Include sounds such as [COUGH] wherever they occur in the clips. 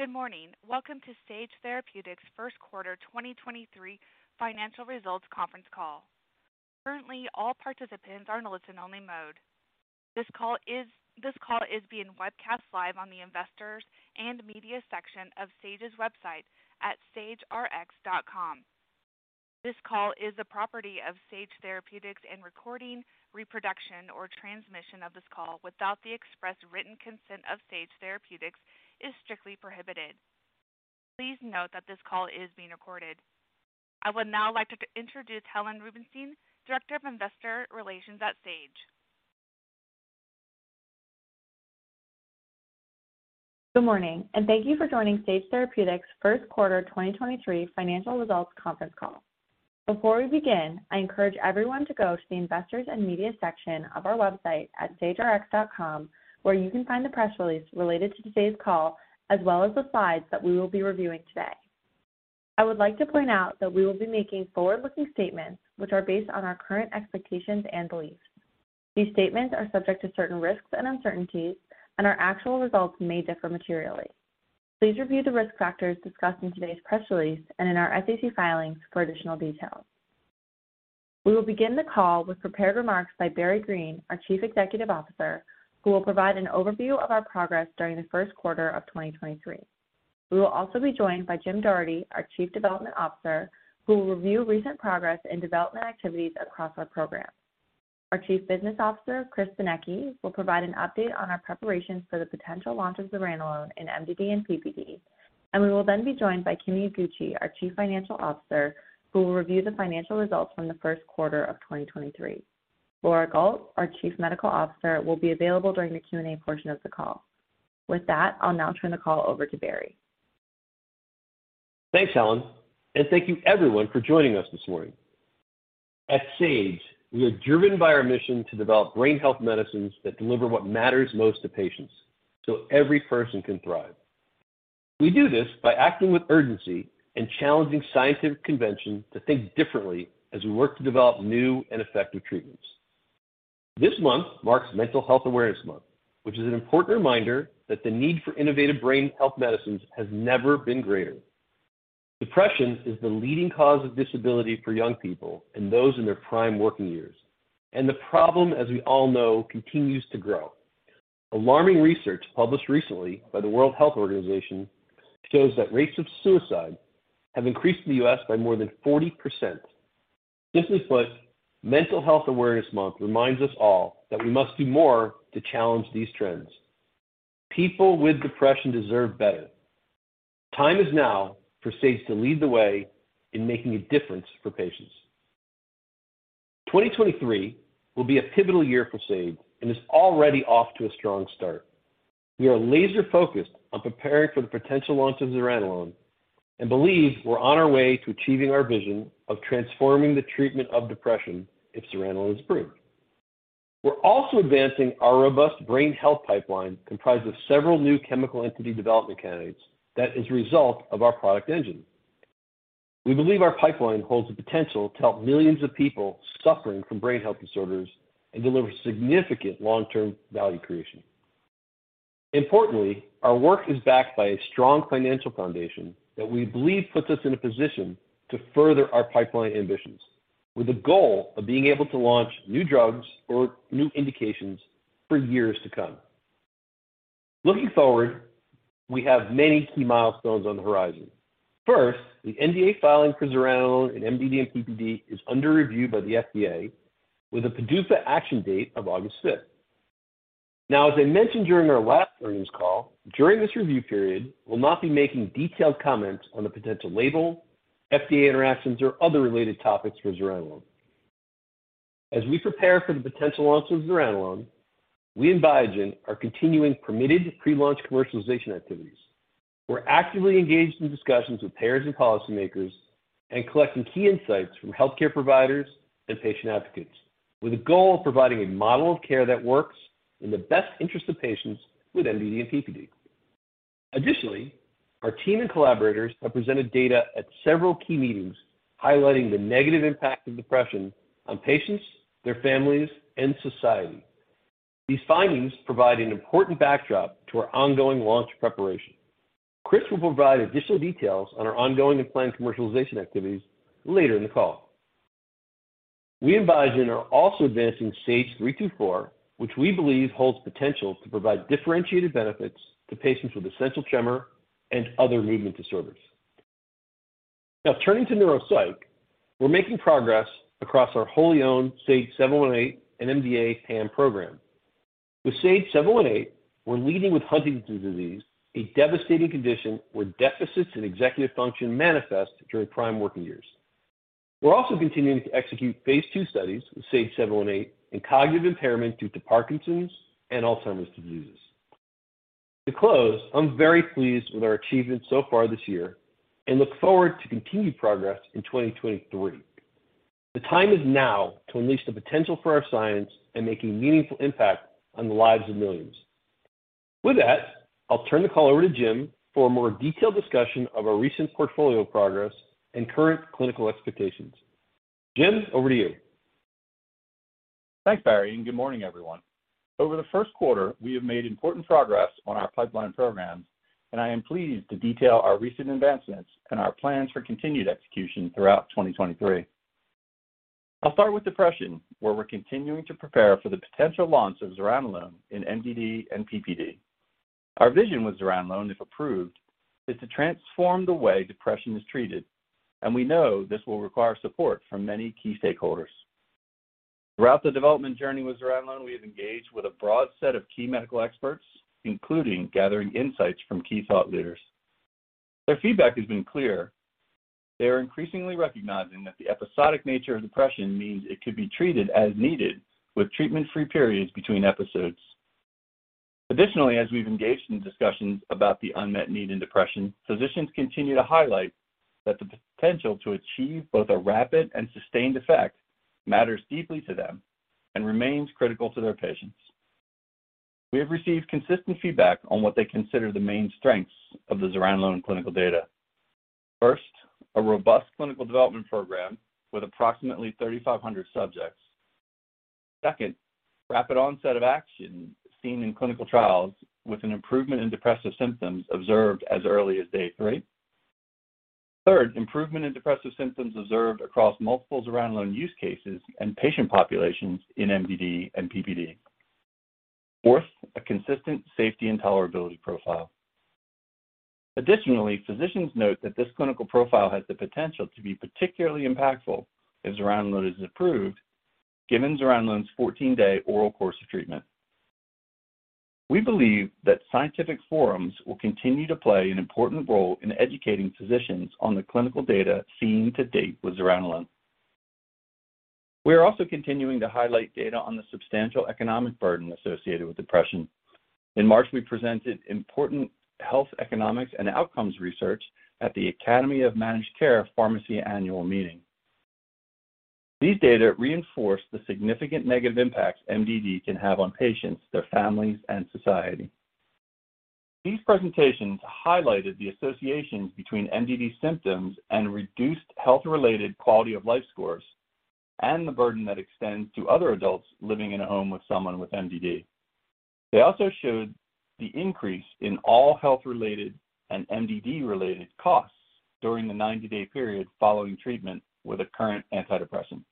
Good morning. Welcome to Sage Therapeutics' First Quarter 2023 Financial Results Conference Call. Currently, all participants are in listen-only mode. This call is being webcast live on the Investors and Media section of Sage's website at sagerx.com. Recording, reproduction or transmission of this call without the express written consent of Sage Therapeutics is strictly prohibited. Please note that this call is being recorded. I would now like to introduce Helen Rubinstein, Director of Investor Relations at Sage. Good morning. Thank you for joining Sage Therapeutics' First Quarter 2023 Financial Results Conference Call. Before we begin, I encourage everyone to go to the Investors and Media section of our website at sagerx.com, where you can find the press release related to today's call, as well as the slides that we will be reviewing today. I would like to point out that we will be making forward-looking statements which are based on our current expectations and beliefs. These statements are subject to certain risks and uncertainties. Our actual results may differ materially. Please review the risk factors discussed in today's press release and in our SEC filings for additional details. We will begin the call with prepared remarks by Barry Greene, our Chief Executive Officer, who will provide an overview of our progress during the first quarter of 2023. We will also be joined by Jim Doherty, our Chief Development Officer, who will review recent progress and development activities across our programs. Our Chief Business Officer, Chris Benecchi, will provide an update on our preparations for the potential launch of zuranolone in MDD and PPD. We will then be joined by Kimi Iguchi, our Chief Financial Officer, who will review the financial results from the first quarter of 2023. Laura Gault, our Chief Medical Officer, will be available during the Q&A portion of the call. With that, I'll now turn the call over to Barry. Thanks, Helen. Thank you everyone for joining us this morning. At Sage, we are driven by our mission to develop brain health medicines that deliver what matters most to patients so every person can thrive. We do this by acting with urgency and challenging scientific convention to think differently as we work to develop new and effective treatments. This month marks Mental Health Awareness Month, which is an important reminder that the need for innovative brain health medicines has never been greater. Depression is the leading cause of disability for young people and those in their prime working years. The problem, as we all know, continues to grow. Alarming research published recently by the World Health Organization shows that rates of suicide have increased in the U.S. by more than 40%. Simply put, Mental Health Awareness Month reminds us all that we must do more to challenge these trends. People with depression deserve better. Time is now for Sage to lead the way in making a difference for patients. 2023 will be a pivotal year for Sage and is already off to a strong start. We are laser-focused on preparing for the potential launch of zuranolone and believe we're on our way to achieving our vision of transforming the treatment of depression if zuranolone is approved. We're also advancing our robust brain health pipeline, comprised of several new chemical entity development candidates that is a result of our product engine. We believe our pipeline holds the potential to help millions of people suffering from brain health disorders and deliver significant long-term value creation. Importantly, our work is backed by a strong financial foundation that we believe puts us in a position to further our pipeline ambitions with the goal of being able to launch new drugs or new indications for years to come. Looking forward, we have many key milestones on the horizon. First, the NDA filing for zuranolone in MDD and PPD is under review by the FDA with a PDUFA action date of August 5th. As I mentioned during our last earnings call, during this review period, we'll not be making detailed comments on the potential label, FDA interactions, or other related topics for zuranolone. As we prepare for the potential launch of zuranolone, we and Biogen are continuing permitted pre-launch commercialization activities. We're actively engaged in discussions with payers and policymakers and collecting key insights from healthcare providers and patient advocates with the goal of providing a model of care that works in the best interest of patients with MDD and PPD. Our team and collaborators have presented data at several key meetings highlighting the negative impact of depression on patients, their families, and society. These findings provide an important backdrop to our ongoing launch preparation. Chris will provide additional details on our ongoing and planned commercialization activities later in the call. We and Biogen are also advancing SAGE-324, which we believe holds potential to provide differentiated benefits to patients with essential tremor and other movement disorders. Turning to neuropsych, we're making progress across our wholly owned SAGE-718 and NMDA/PAM program. With SAGE-718, we're leading with Huntington's disease, a devastating condition where deficits in executive function manifest during prime working years. We're also continuing to execute phase II studies with SAGE-718 in cognitive impairment due to Parkinson's and Alzheimer's diseases. To close, I'm very pleased with our achievements so far this year and look forward to continued progress in 2023. The time is now to unleash the potential for our science and making meaningful impact on the lives of millions. With that, I'll turn the call over to Jim for a more detailed discussion of our recent portfolio progress and current clinical expectations. Jim, over to you. Thanks, Barry, and good morning, everyone. Over the first quarter, we have made important progress on our pipeline programs, and I am pleased to detail our recent advancements and our plans for continued execution throughout 2023. I'll start with depression, where we're continuing to prepare for the potential launch of zuranolone in MDD and PPD. Our vision with zuranolone, if approved, is to transform the way depression is treated, and we know this will require support from many key stakeholders. Throughout the development journey with zuranolone, we have engaged with a broad set of key medical experts, including gathering insights from key thought leaders. Their feedback has been clear. They are increasingly recognizing that the episodic nature of depression means it could be treated as needed with treatment-free periods between episodes. As we've engaged in discussions about the unmet need in depression, physicians continue to highlight that the potential to achieve both a rapid and sustained effect matters deeply to them and remains critical to their patients. We have received consistent feedback on what they consider the main strengths of the zuranolone clinical data. First, a robust clinical development program with approximately 3,500 subjects. Second, rapid onset of action seen in clinical trials with an improvement in depressive symptoms observed as early as day three. Third, improvement in depressive symptoms observed across multiple zuranolone use cases and patient populations in MDD and PPD. Fourth, a consistent safety and tolerability profile. Physicians note that this clinical profile has the potential to be particularly impactful if zuranolone is approved, given zuranolone's 14-day oral course of treatment. We believe that scientific forums will continue to play an important role in educating physicians on the clinical data seen to date with zuranolone. We are also continuing to highlight data on the substantial economic burden associated with depression. In March, we presented important health economics and outcomes research at the Academy of Managed Care Pharmacy annual meeting. These data reinforce the significant negative impacts MDD can have on patients, their families, and society. These presentations highlighted the associations between MDD symptoms and reduced health-related quality of life scores and the burden that extends to other adults living in a home with someone with MDD. They also showed the increase in all health-related and MDD-related costs during the 90-day period following treatment with a current antidepressant.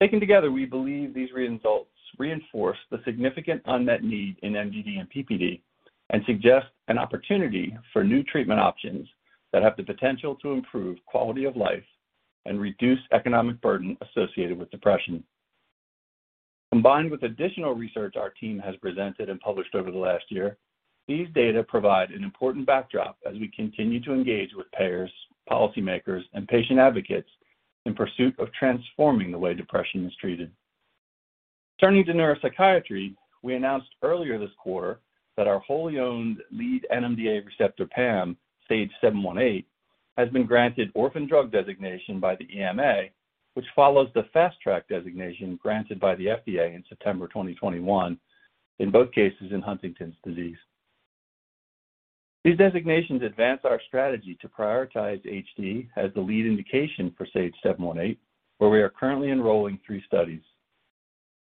Taken together, we believe these results reinforce the significant unmet need in MDD and PPD and suggest an opportunity for new treatment options that have the potential to improve quality of life and reduce economic burden associated with depression. Combined with additional research our team has presented and published over the last year, these data provide an important backdrop as we continue to engage with payers, policymakers, and patient advocates in pursuit of transforming the way depression is treated. Turning to neuropsychiatry, we announced earlier this quarter that our wholly owned lead NMDA receptor PAM, SAGE-718, has been granted orphan drug designation by the EMA, which follows the Fast Track designation granted by the FDA in September 2021, in both cases in Huntington's disease. These designations advance our strategy to prioritize HD as the lead indication for SAGE-718, where we are currently enrolling three studies.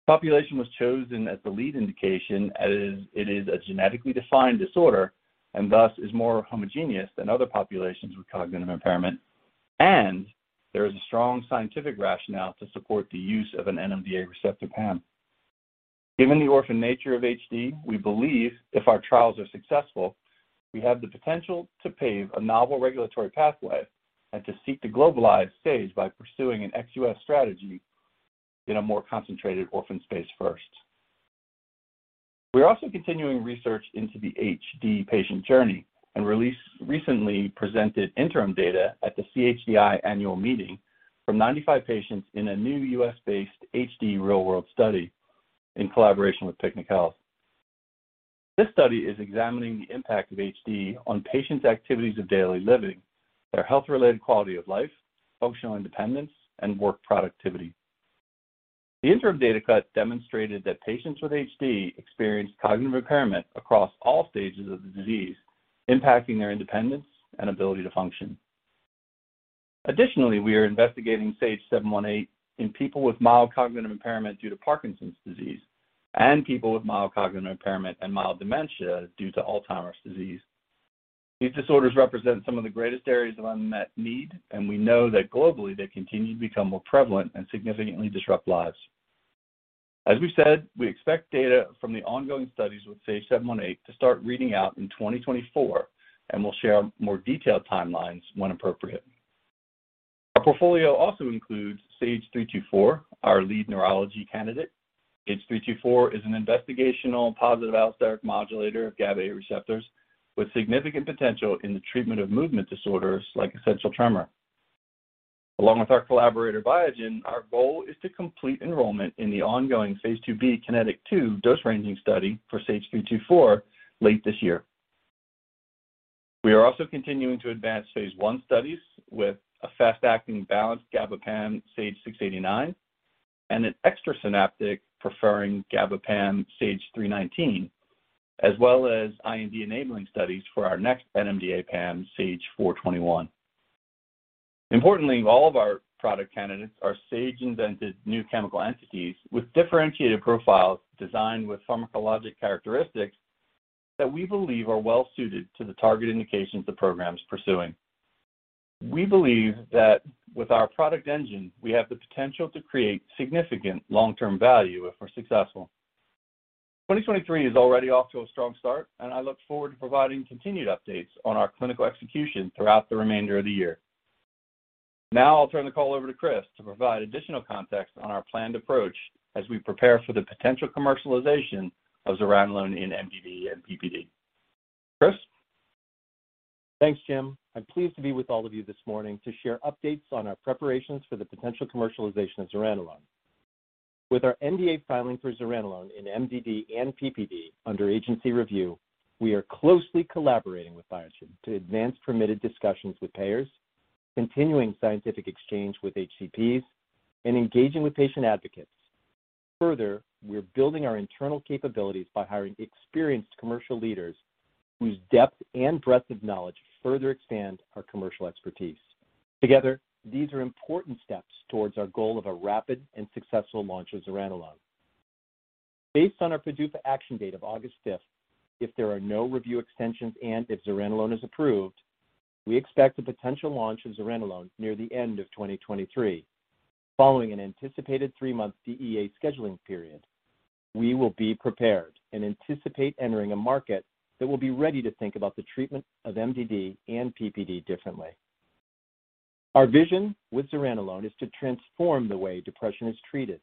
Population was chosen as the lead indication as it is a genetically defined disorder and thus is more homogeneous than other populations with cognitive impairment, there is a strong scientific rationale to support the use of an NMDA receptor PAM. Given the orphan nature of HD, we believe if our trials are successful, we have the potential to pave a novel regulatory pathway and to seek to globalize Sage by pursuing an ex-U.S. strategy in a more concentrated orphan space first. We're also continuing research into the HD patient journey and recently presented interim data at the CHDI annual meeting from 95 patients in a new U.S.-based HD real-world study in collaboration with Technical Health. This study is examining the impact of HD on patients' activities of daily living, their health-related quality of life, functional independence, and work productivity. The interim data cut demonstrated that patients with HD experienced cognitive impairment across all stages of the disease, impacting their independence and ability to function. We are investigating SAGE-718 in people with mild cognitive impairment due to Parkinson's disease and people with mild cognitive impairment and mild dementia due to Alzheimer's disease. These disorders represent some of the greatest areas of unmet need. We know that globally they continue to become more prevalent and significantly disrupt lives. As we've said, we expect data from the ongoing studies with SAGE-718 to start reading out in 2024, and we'll share more detailed timelines when appropriate. Our portfolio also includes SAGE-324, our lead neurology candidate. SAGE-324 is an investigational positive allosteric modulator of GABAA receptors with significant potential in the treatment of movement disorders like essential tremor. Along with our collaborator Biogen, our goal is to complete enrollment in the ongoing phase II-B KINETIC2 dose-ranging study for SAGE-324 late this year. We are also continuing to advance phase I studies with a fast-acting balanced GABA PAM SAGE-689 and an extrasynaptic-preferring GABA PAM SAGE-319 as well as IND-enabling studies for our next NMDA PAM SAGE-421. Importantly, all of our product candidates are Sage-invented new chemical entities with differentiated profiles designed with pharmacologic characteristics that we believe are well suited to the target indications the program is pursuing. We believe that with our product engine, we have the potential to create significant long-term value if we're successful. 2023 is already off to a strong start. I look forward to providing continued updates on our clinical execution throughout the remainder of the year. Now I'll turn the call over to Chris to provide additional context on our planned approach as we prepare for the potential commercialization of zuranolone in MDD and PPD. Chris. Thanks, Jim. I'm pleased to be with all of you this morning to share updates on our preparations for the potential commercialization of zuranolone. With our NDA filing for zuranolone in MDD and PPD under agency review, we are closely collaborating with Biogen to advance permitted discussions with payers, continuing scientific exchange with HCPs, and engaging with patient advocates. We're building our internal capabilities by hiring experienced commercial leaders whose depth and breadth of knowledge further expand our commercial expertise. Together, these are important steps towards our goal of a rapid and successful launch of zuranolone. Based on our PDUFA action date of August fifth, if there are no review extensions and if zuranolone is approved, we expect the potential launch of zuranolone near the end of 2023. Following an anticipated three-month DEA scheduling period, we will be prepared and anticipate entering a market that will be ready to think about the treatment of MDD and PPD differently. Our vision with zuranolone is to transform the way depression is treated.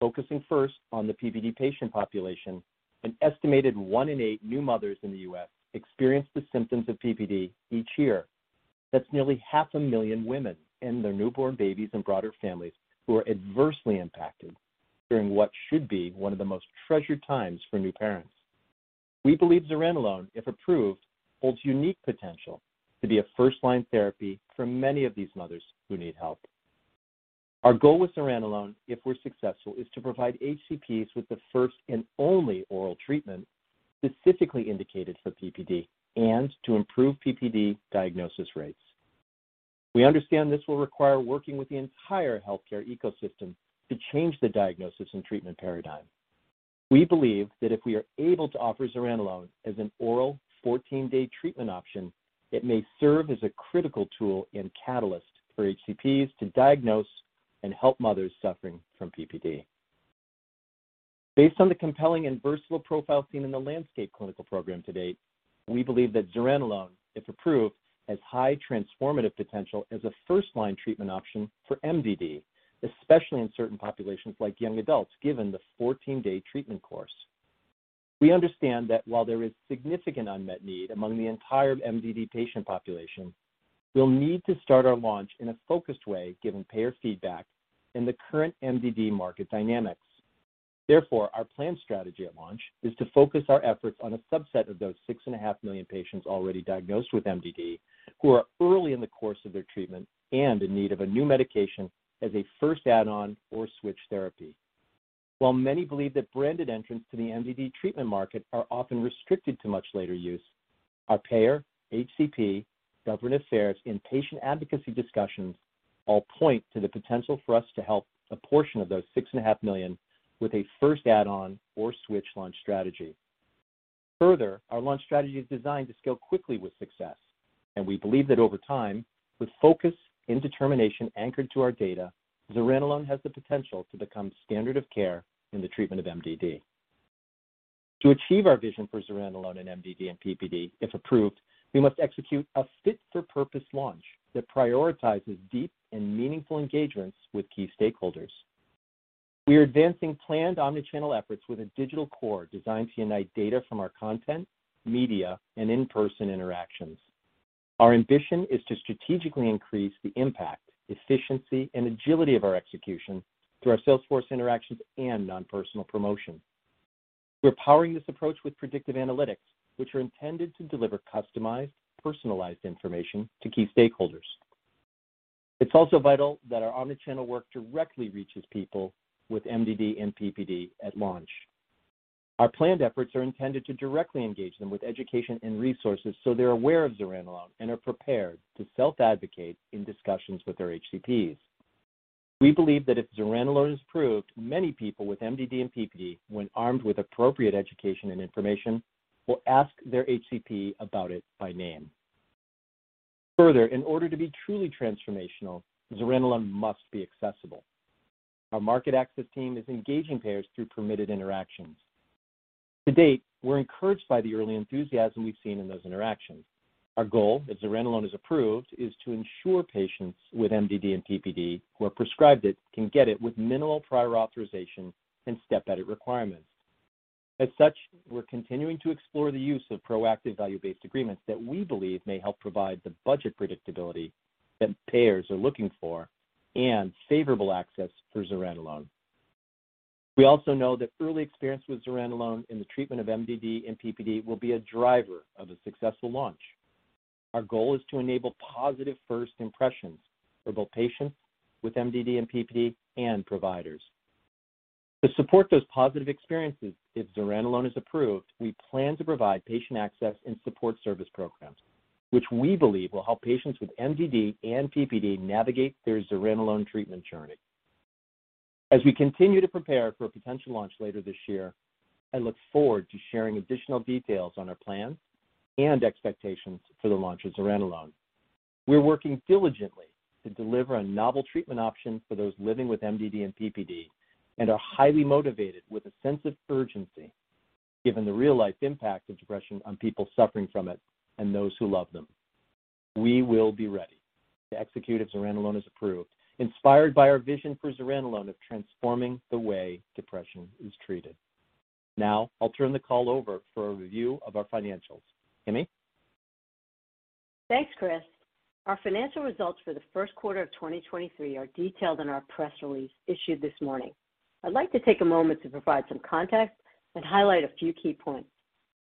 Focusing first on the PPD patient population, an estimated one in eight new mothers in the U.S. experience the symptoms of PPD each year. That's nearly 500,000 women and their newborn babies and broader families who are adversely impacted during what should be one of the most treasured times for new parents. We believe zuranolone, if approved, holds unique potential to be a first-line therapy for many of these mothers who need help. Our goal with zuranolone, if we're successful, is to provide HCPs with the first and only oral treatment specifically indicated for PPD and to improve PPD diagnosis rates. We understand this will require working with the entire healthcare ecosystem to change the diagnosis and treatment paradigm. We believe that if we are able to offer zuranolone as an oral 14-day treatment option, it may serve as a critical tool and catalyst for HCPs to diagnose and help mothers suffering from PPD. Based on the compelling and versatile profile seen in the landscape clinical program to date, we believe that zuranolone, if approved, has high transformative potential as a first-line treatment option for MDD, especially in certain populations like young adults, given the 14-day treatment course. We understand that while there is significant unmet need among the entire MDD patient population, we'll need to start our launch in a focused way given payer feedback and the current MDD market dynamics. Our planned strategy at launch is to focus our efforts on a subset of those 6.5 million patients already diagnosed with MDD who are early in the course of their treatment and in need of a new medication as a first add-on or switch therapy. While many believe that branded entrants to the MDD treatment market are often restricted to much later use, our payer, HCP, government affairs, and patient advocacy discussions all point to the potential for us to help a portion of those 6.5 million with a first add-on or switch launch strategy. Our launch strategy is designed to scale quickly with success, and we believe that over time, with focus and determination anchored to our data, zuranolone has the potential to become standard of care in the treatment of MDD. To achieve our vision for zuranolone in MDD and PPD, if approved, we must execute a fit-for-purpose launch that prioritizes deep and meaningful engagements with key stakeholders. We are advancing planned omni-channel efforts with a digital core designed to unite data from our content, media, and in-person interactions. Our ambition is to strategically increase the impact, efficiency, and agility of our execution through our sales force interactions and non-personal promotion. We're powering this approach with predictive analytics, which are intended to deliver customized, personalized information to key stakeholders. It's also vital that our omni-channel work directly reaches people with MDD and PPD at launch. Our planned efforts are intended to directly engage them with education and resources so they're aware of zuranolone and are prepared to self-advocate in discussions with their HCPs. We believe that if zuranolone is approved, many people with MDD and PPD, when armed with appropriate education and information, will ask their HCP about it by name. Further, in order to be truly transformational, zuranolone must be accessible. Our market access team is engaging payers through permitted interactions. To date, we're encouraged by the early enthusiasm we've seen in those interactions. Our goal, if zuranolone is approved, is to ensure patients with MDD and PPD who are prescribed it can get it with minimal prior authorization and step-edit requirements. As such, we're continuing to explore the use of proactive value-based agreements that we believe may help provide the budget predictability that payers are looking for and favorable access for zuranolone. We also know that early experience with zuranolone in the treatment of MDD and PPD will be a driver of a successful launch. Our goal is to enable positive first impressions for both patients with MDD and PPD and providers. To support those positive experiences, if zuranolone is approved, we plan to provide patient access and support service programs, which we believe will help patients with MDD and PPD navigate their zuranolone treatment journey. As we continue to prepare for a potential launch later this year, I look forward to sharing additional details on our plans and expectations for the launch of zuranolone. We're working diligently to deliver a novel treatment option for those living with MDD and PPD and are highly motivated with a sense of urgency, given the real-life impact of depression on people suffering from it and those who love them. We will be ready to execute if zuranolone is approved, inspired by our vision for zuranolone of transforming the way depression is treated. Now I'll turn the call over for a review of our financials. Kimi? Thanks, Chris. Our financial results for the first quarter of 2023 are detailed in our press release issued this morning. I'd like to take a moment to provide some context and highlight a few key points.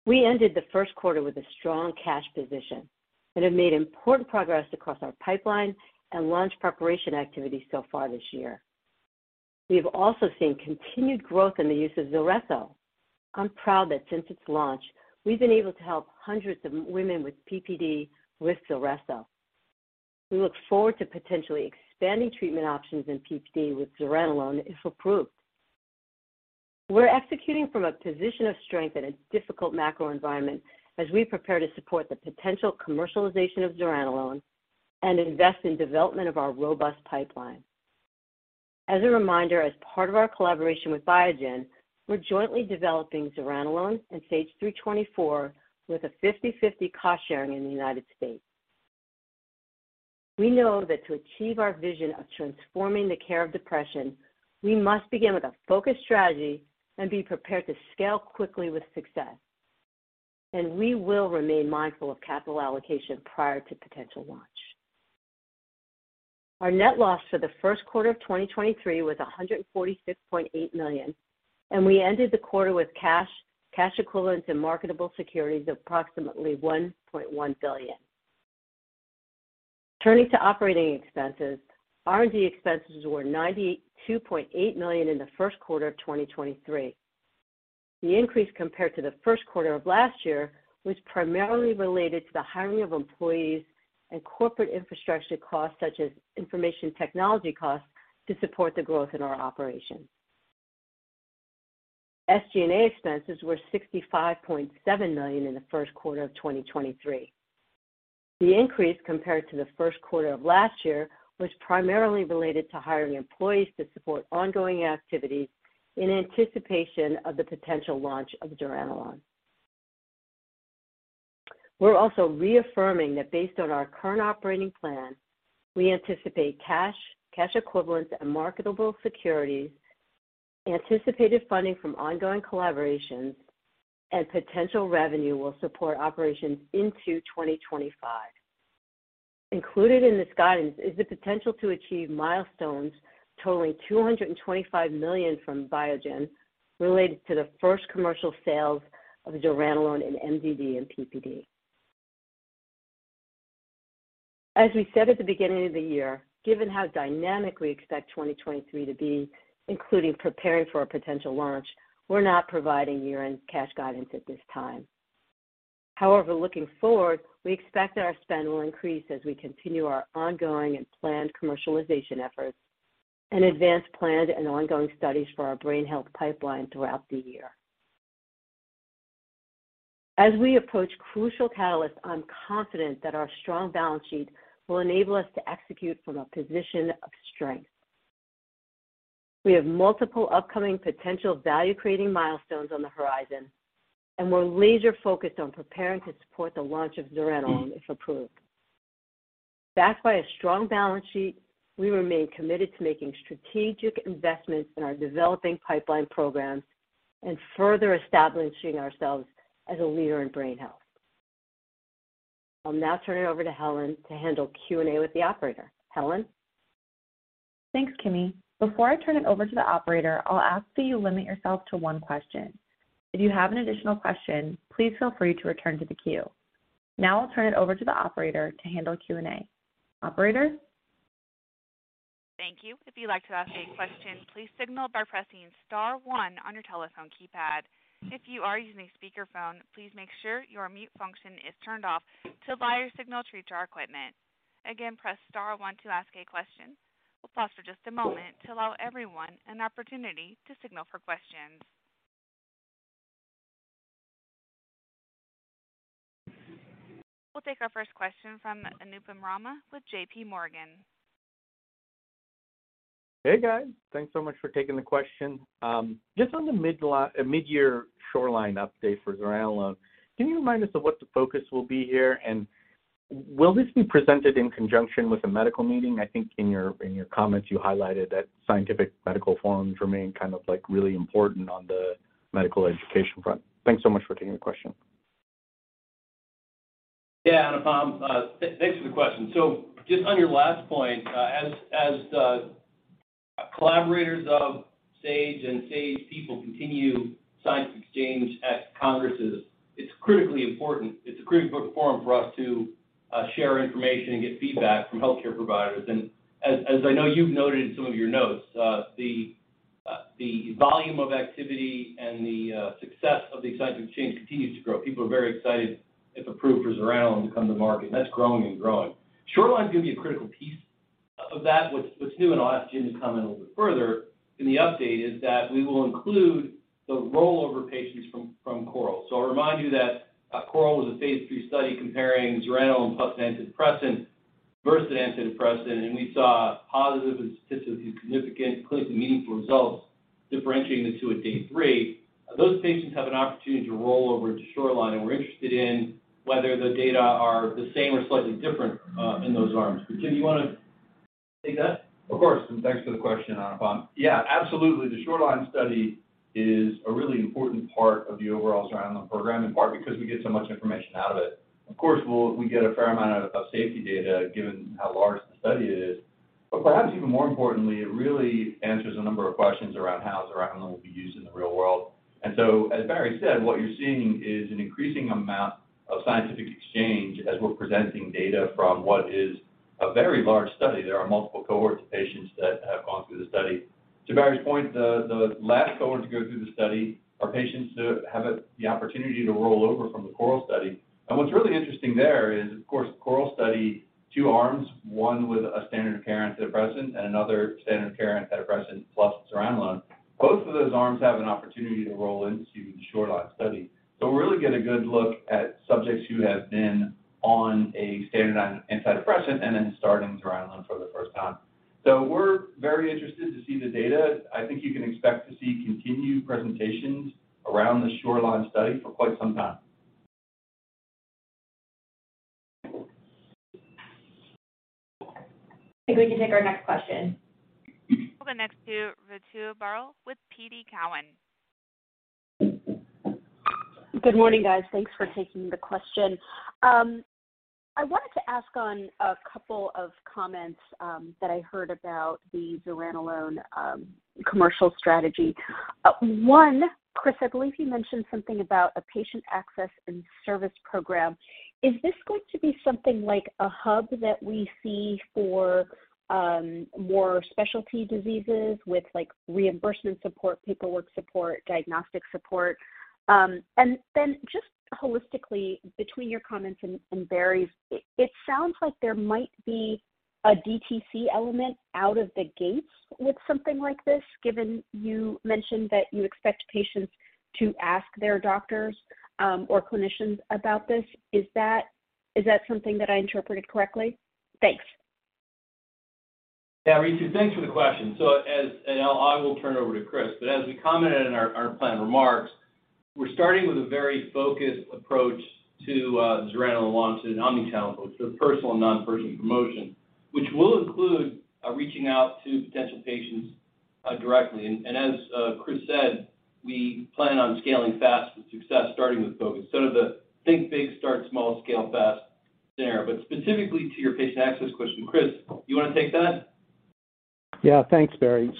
We ended the first quarter with a strong cash position and have made important progress across our pipeline and launch preparation activities so far this year. We have also seen continued growth in the use of ZULRESSO. I'm proud that since its launch, we've been able to help hundreds of women with PPD with ZULRESSO. We look forward to potentially expanding treatment options in PPD with zuranolone if approved. We're executing from a position of strength in a difficult macro environment as we prepare to support the potential commercialization of zuranolone and invest in development of our robust pipeline. As a reminder, as part of our collaboration with Biogen, we're jointly developing zuranolone and SAGE-324 with a 50/50 cost sharing in the United States. We know that to achieve our vision of transforming the care of depression, we must begin with a focused strategy and be prepared to scale quickly with success. We will remain mindful of capital allocation prior to potential launch. Our net loss for the first quarter of 2023 was $146.8 million. We ended the quarter with cash equivalents, and marketable securities of approximately $1.1 billion. Turning to operating expenses, R&D expenses were $92.8 million in the first quarter of 2023. The increase compared to the first quarter of last year was primarily related to the hiring of employees and corporate infrastructure costs, such as information technology costs, to support the growth in our operations. SG&A expenses were $65.7 million in the first quarter of 2023. The increase compared to the first quarter of last year was primarily related to hiring employees to support ongoing activities in anticipation of the potential launch of zuranolone. We're also reaffirming that based on our current operating plan, we anticipate cash equivalents, and marketable securities, anticipated funding from ongoing collaborations, and potential revenue will support operations into 2025. Included in this guidance is the potential to achieve milestones totaling $225 million from Biogen related to the first commercial sales of zuranolone in MDD and PPD. As we said at the beginning of the year, given how dynamic we expect 2023 to be, including preparing for a potential launch, we're not providing year-end cash guidance at this time. Looking forward, we expect that our spend will increase as we continue our ongoing and planned commercialization efforts and advance planned and ongoing studies for our brain health pipeline throughout the year. As we approach crucial catalysts, I'm confident that our strong balance sheet will enable us to execute from a position of strength. We have multiple upcoming potential value-creating milestones on the horizon, and we're laser-focused on preparing to support the launch of zuranolone if approved. Backed by a strong balance sheet, we remain committed to making strategic investments in our developing pipeline programs and further establishing ourselves as a leader in brain health. I'll now turn it over to Helen to handle Q&A with the operator. Helen? Thanks, Kimmy. Before I turn it over to the operator, I'll ask that you limit yourself to one question. If you have an additional question, please feel free to return to the queue. Now I'll turn it over to the operator to handle Q&A. Operator? Thank you. If you'd like to ask a question, please signal by pressing star one on your telephone keypad. If you are using a speakerphone, please make sure your mute function is turned off to allow your signal to reach our equipment. Again, press star one to ask a question. We'll pause for just a moment to allow everyone an opportunity to signal for questions. We'll take our first question from Anupam Rama with JPMorgan. Hey, guys. Thanks so much for taking the question. Just on the mid-year SHORELINE update for zuranolone, can you remind us of what the focus will be here? Will this be presented in conjunction with a medical meeting? I think in your, in your comments you highlighted that scientific medical forums remain kind of, like, really important on the medical education front. Thanks so much for taking the question. Yeah, Anupam. Thanks for the question. Just on your last point, as collaborators of Sage and Sage people continue science exchange at congresses, it's critically important. It's a critical forum for us to share information and get feedback from healthcare providers. As, as I know you've noted in some of your notes, the volume of activity and the success of the scientific exchange continues to grow. People are very excited as approval for zuranolone come to market. That's growing and growing. SHORELINE is gonna be a critical piece of that. What's new, and I'll ask Jim to comment a little bit further in the update, is that we will include the rollover patients from CORAL. I'll remind you that CORAL was a phase III study comparing zuranolone plus antidepressant versus antidepressant, and we saw positive and statistically significant clinically meaningful results differentiating the two at day three. Those patients have an opportunity to roll over to SHORELINE, and we're interested in whether the data are the same or slightly different in those arms. Jim, you wanna take that? Of course, and thanks for the question, Anupam. Yeah, absolutely. The SHORELINE study is a really important part of the overall zuranolone program, in part because we get so much information out of it. Of course, we get a fair amount out of safety data given how large the study is. Perhaps even more importantly, it really answers a number of questions around how zuranolone will be used in the real world. As Barry said, what you're seeing is an increasing amount of scientific exchange as we're presenting data from what is a very large study. There are multiple cohorts of patients that have gone through the study. To Barry's point, the last cohort to go through the study are patients that have the opportunity to roll over from the CORAL study. What's really interesting there is, of course, CORAL study, two arms, one with a standard care antidepressant and another standard care antidepressant plus zuranolone. Both of those arms have an opportunity to roll into the SHORELINE study. We really get a good look at subjects who have been on a standard antidepressant and then starting zuranolone for the first time. We're very interested to see the data. I think you can expect to see continued presentations around the SHORELINE study for quite some time. I think we can take our next question. We'll go next to Ritu Baral with TD Cowen. Good morning, guys. Thanks for taking the question. I wanted to ask on a couple of comments that I heard about the zuranolone commercial strategy. One, Chris, I believe you mentioned something about a patient access and service program. Is this going to be something like a hub that we see for more specialty diseases with like reimbursement support, paperwork support, diagnostic support? Just holistically between your comments and Barry's, it sounds like there might be a DTC element out of the gates with something like this, given you mentioned that you expect patients to ask their doctors or clinicians about this. Is that something that I interpreted correctly? Thanks. Yeah. Ritu, thanks for the question. As I will turn it over to Chris, but as we commented in our planned remarks, we're starting with a very focused approach to zuranolone launch and omni channel folks. Personal and non-personal promotion, which will include reaching out to potential patients directly. As Chris said, we plan on scaling fast with success, starting with focus. The think big, start small, scale fast there. Specifically to your patient access question, Chris, you wanna take that? Yeah. Thanks, Barry.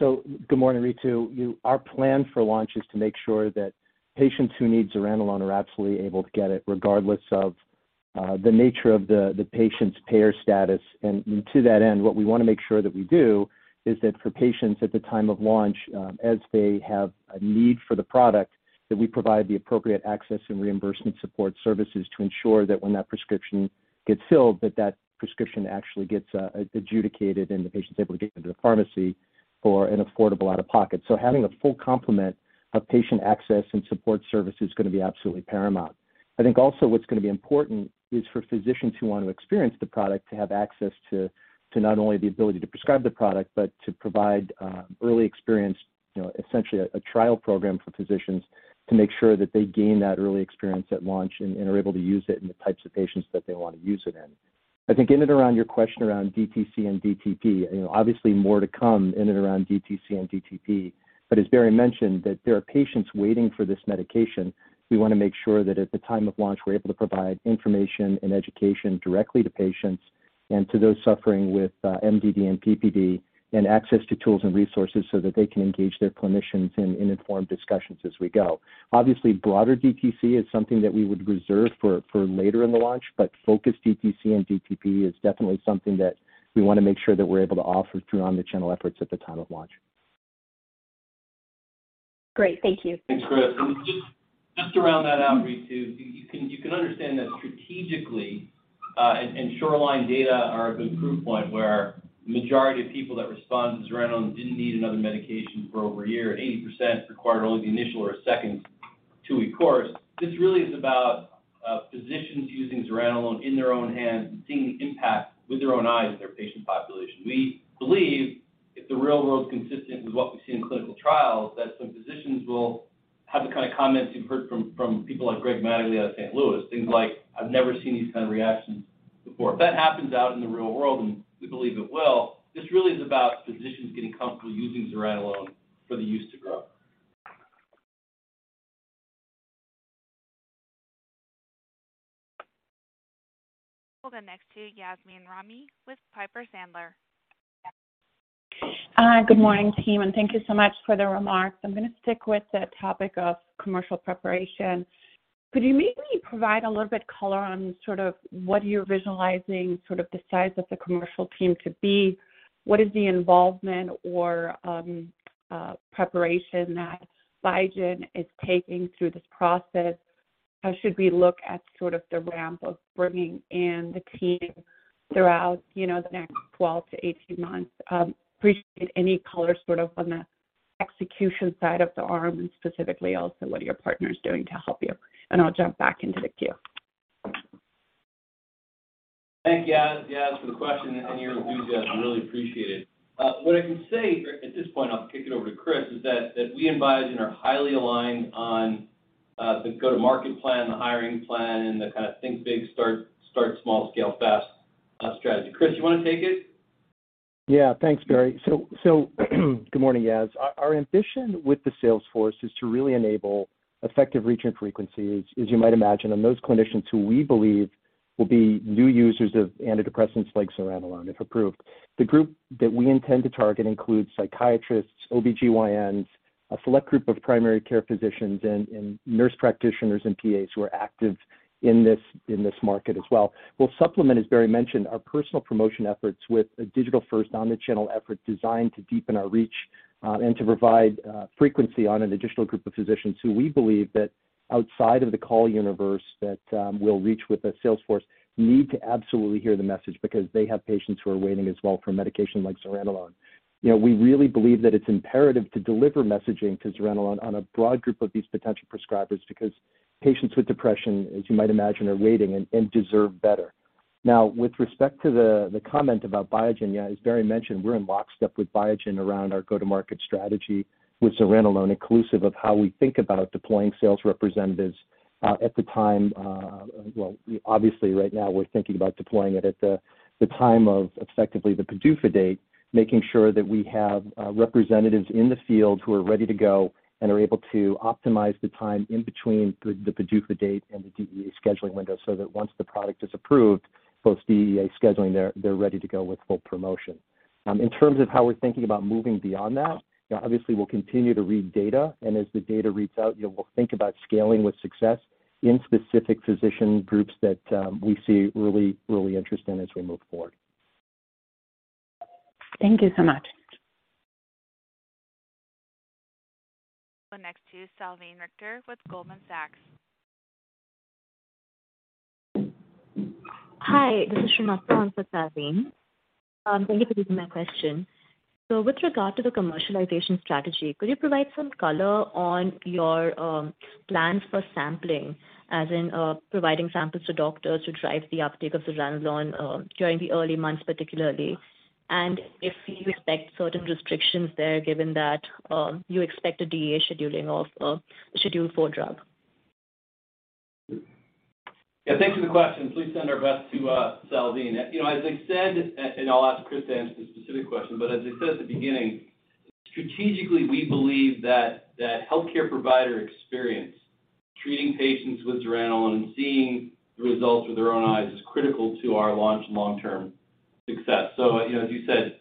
Good morning, Ritu. Our plan for launch is to make sure that patients who need zuranolone are absolutely able to get it regardless of the nature of the patient's payer status. To that end, what we wanna make sure that we do is that for patients at the time of launch, as they have a need for the product, that we provide the appropriate access and reimbursement support services to ensure that when that prescription gets filled, that that prescription actually gets adjudicated and the patient's able to get it into the pharmacy for an affordable out-of-pocket. Having a full complement of patient access and support service is gonna be absolutely paramount. I think also what's gonna be important is for physicians who want to experience the product to have access to not only the ability to prescribe the product, but to provide early experience, you know, essentially a trial program for physicians to make sure that they gain that early experience at launch and are able to use it in the types of patients that they wanna use it in. I think in and around your question around DTC and DTP, you know, obviously more to come in and around DTC and DTP. As Barry mentioned, that there are patients waiting for this medication. We wanna make sure that at the time of launch, we're able to provide information and education directly to patients and to those suffering with MDD and PPD, and access to tools and resources so that they can engage their clinicians in informed discussions as we go. Obviously, broader DTC is something that we would reserve for later in the launch, but focused DTC and DTP is definitely something that we wanna make sure that we're able to offer through omnichannel efforts at the time of launch. Great. Thank you. Thanks, Chris. Just around that, Ritu, you can understand that strategically, and SHORELINE data are a good proof point where majority of people that respond to zuranolone didn't need another medication for over a year. 80% required only the initial or a second two-week course. This really is about physicians using zuranolone in their own hands and seeing the impact with their own eyes in their patient population. We believe if the real world's consistent with what we see in clinical trials, that some physicians will have the kind of comments you've heard from people like Greg Mattingly out of St. Louis, things like, "I've never seen these kind of reactions before." If that happens out in the real world, and we believe it will, this really is about physicians getting comfortable using zuranolone for the use to grow. We'll go next to Yasmeen Rahimi with Piper Sandler. Good morning, team, thank you so much for the remarks. I'm gonna stick with the topic of commercial preparation. Could you maybe provide a little bit color on sort of what you're visualizing sort of the size of the commercial team to be? What is the involvement or preparation that Biogen is taking through this process? How should we look at sort of the ramp of bringing in the team throughout, you know, the next 12 to 18 months? Appreciate any color sort of on the execution side of the arm, and specifically also what are your partners doing to help you. I'll jump back into the queue. Thank you, Yas, for the question and your enthusiasm. Really appreciate it. What I can say, at this point I'll kick it over to Chris, is that we and Biogen are highly aligned on the go-to-market plan, the hiring plan, and the kind of think big, start small, scale fast strategy. Chris, you wanna take it? Yeah. Thanks, Barry. Good morning, Yas. Our ambition with the sales force is to really enable effective reach and frequencies, as you might imagine, on those clinicians who we believe will be new users of antidepressants like zuranolone, if approved. The group that we intend to target includes psychiatrists, OB-GYNs, a select group of primary care physicians and nurse practitioners and PAs who are active in this market as well. We'll supplement, as Barry mentioned, our personal promotion efforts with a digital-first omni-channel effort designed to deepen our reach and to provide frequency on an additional group of physicians who we believe that outside of the call universe that we'll reach with a sales force need to absolutely hear the message because they have patients who are waiting as well for medication like zuranolone. You know, we really believe that it's imperative to deliver messaging to zuranolone on a broad group of these potential prescribers because patients with depression, as you might imagine, are waiting and deserve better. Now, with respect to the comment about Biogen, yeah, as Barry mentioned, we're in lockstep with Biogen around our go-to-market strategy with zuranolone, inclusive of how we think about deploying sales representatives at the time. Well, obviously right now we're thinking about deploying it at the time of effectively the PDUFA date, making sure that we have representatives in the field who are ready to go and are able to optimize the time in between the PDUFA date and the DEA scheduling window, so that once the product is approved, post DEA scheduling, they're ready to go with full promotion. In terms of how we're thinking about moving beyond that, you know, obviously we'll continue to read data, and as the data reads out, you know, we'll think about scaling with success in specific physician groups that we see really, really interesting as we move forward. Thank you so much. Well next to Salveen Richter with Goldman Sachs. Hi, this is [INAUDIBLE] for Salveen. Thank you for taking my question. With regard to the commercialization strategy, could you provide some color on your plans for sampling, as in, providing samples to doctors to drive the uptake of zuranolone during the early months particularly? If you expect certain restrictions there, given that you expect a DEA scheduling of Schedule IV drug. Yeah. Thanks for the question. Please send our best to Salveen Richter. You know, as I said, and I'll ask Chris to answer the specific question, as I said at the beginning, strategically, we believe that that healthcare provider experience, treating patients with zuranolone and seeing the results with their own eyes is critical to our launch and long-term success. You know, as you said,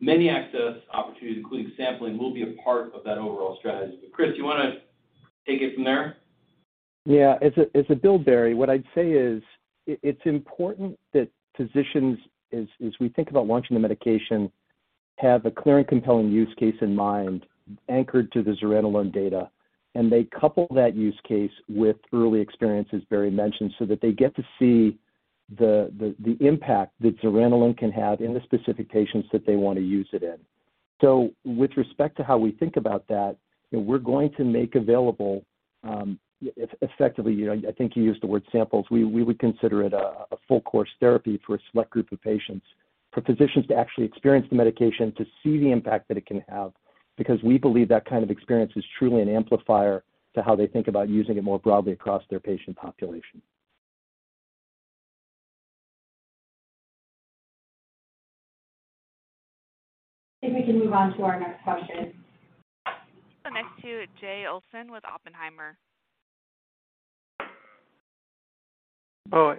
many access opportunities, including sampling, will be a part of that overall strategy. Chris, you wanna take it from there? As a build, Barry, what I'd say is it's important that physicians, as we think about launching the medication, have a clear and compelling use case in mind anchored to the zuranolone data, and they couple that use case with early experiences Barry mentioned, so that they get to see the impact that zuranolone can have in the specific patients that they wanna use it in. With respect to how we think about that, you know, we're going to make available, effectively, you know, I think you used the word samples. We would consider it a full course therapy for a select group of patients, for physicians to actually experience the medication, to see the impact that it can have, because we believe that kind of experience is truly an amplifier to how they think about using it more broadly across their patient population. If we can move on to our next question. Next to Jay Olson with Oppenheimer.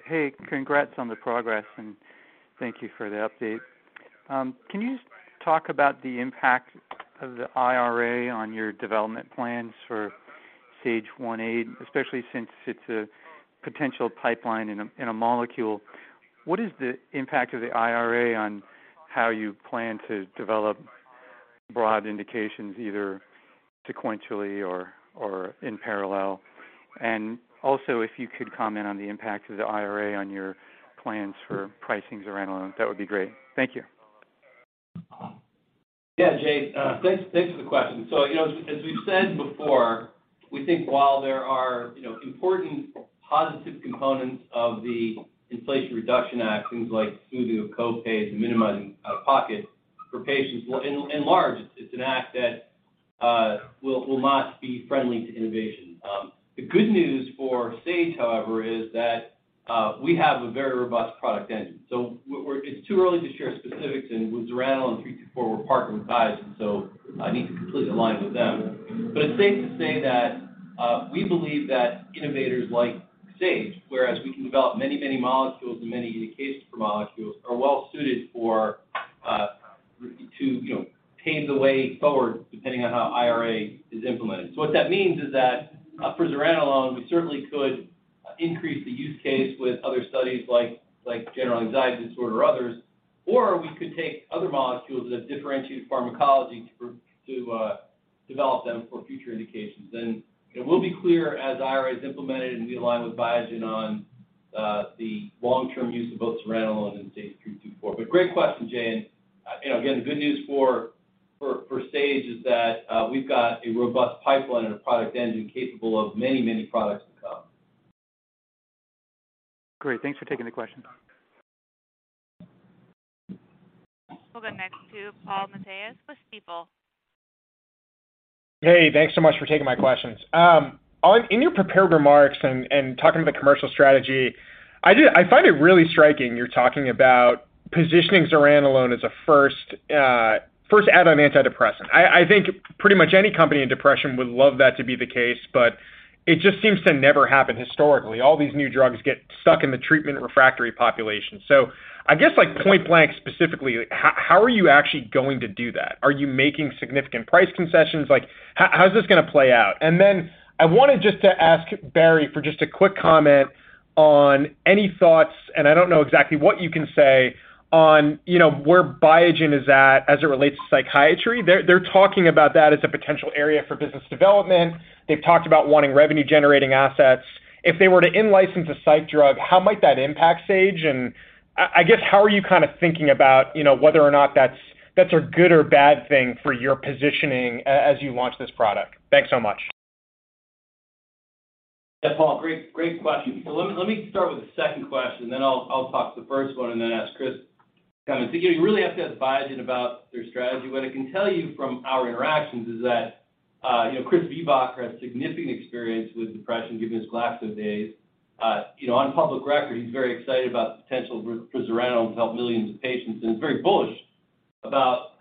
Hey. Congrats on the progress, Thank you for the update. Can you talk about the impact of the IRA on your development plans for Sage 1A, especially since it's a potential pipeline in a molecule? What is the impact of the IRA on how you plan to develop broad indications, either sequentially or in parallel? Also, if you could comment on the impact of the IRA on your plans for pricing zuranolone, that would be great. Thank you. Yeah, Jay. Thanks, thanks for the question. You know, as we've said before, we think while there are, you know, important positive components of the Inflation Reduction Act, things like [INAUDIBLE] and minimizing pockets for patients, well in large, it's an act that will not be friendly to innovation. The good news for Sage, however, is that we have a very robust product engine. It's too early to share specifics in zuranolone 324. We're partnered with Biogen, so I need to completely align with them. It's safe to say that we believe that innovators like Sage, whereas we can develop many, many molecules and many indications for molecules are well suited for, to, you know, pave the way forward depending on how IRA is implemented. What that means is that for zuranolone, we certainly could increase the use case with other studies like general anxiety disorder or others. We could take other molecules that have differentiated pharmacology to develop them for future indications. It will be clear as IRA is implemented and we align with Biogen on the long-term use of both zuranolone and SAGE-324. Great question, Jay. You know, again, the good news for Sage is that we've got a robust pipeline and a product engine capable of many products to come. Great. Thanks for taking the question. We'll go next to Paul Matteis with Stifel. Hey, thanks so much for taking my questions. In your prepared remarks and talking about the commercial strategy, I find it really striking you're talking about positioning zuranolone as a first add-on antidepressant. I think pretty much any company in depression would love that to be the case, but it just seems to never happen historically. All these new drugs get stuck in the treatment-refractory population. I guess, like, point-blank specifically, how are you actually going to do that? Are you making significant price concessions? Like, how is this gonna play out? Then I wanted just to ask Barry for just a quick comment on any thoughts, and I don't know exactly what you can say, on, you know, where Biogen is at as it relates to psychiatry. They're talking about that as a potential area for business development. They've talked about wanting revenue-generating assets. If they were to in-license a psych drug, how might that impact Sage? I guess, how are you kind of thinking about, you know, whether or not that's a good or bad thing for your positioning as you launch this product? Thanks so much. Yeah, Paul, great question. Let me start with the second question, then I'll talk to the first one and then ask Chris to comment. Again, you really have to ask Biogen about their strategy. What I can tell you from our interactions is that, you know, Chris Viehbacher has significant experience with depression given his GlaxoSmithKline days. You know, on public record, he's very excited about the potential for zuranolone to help millions of patients, and he's very bullish about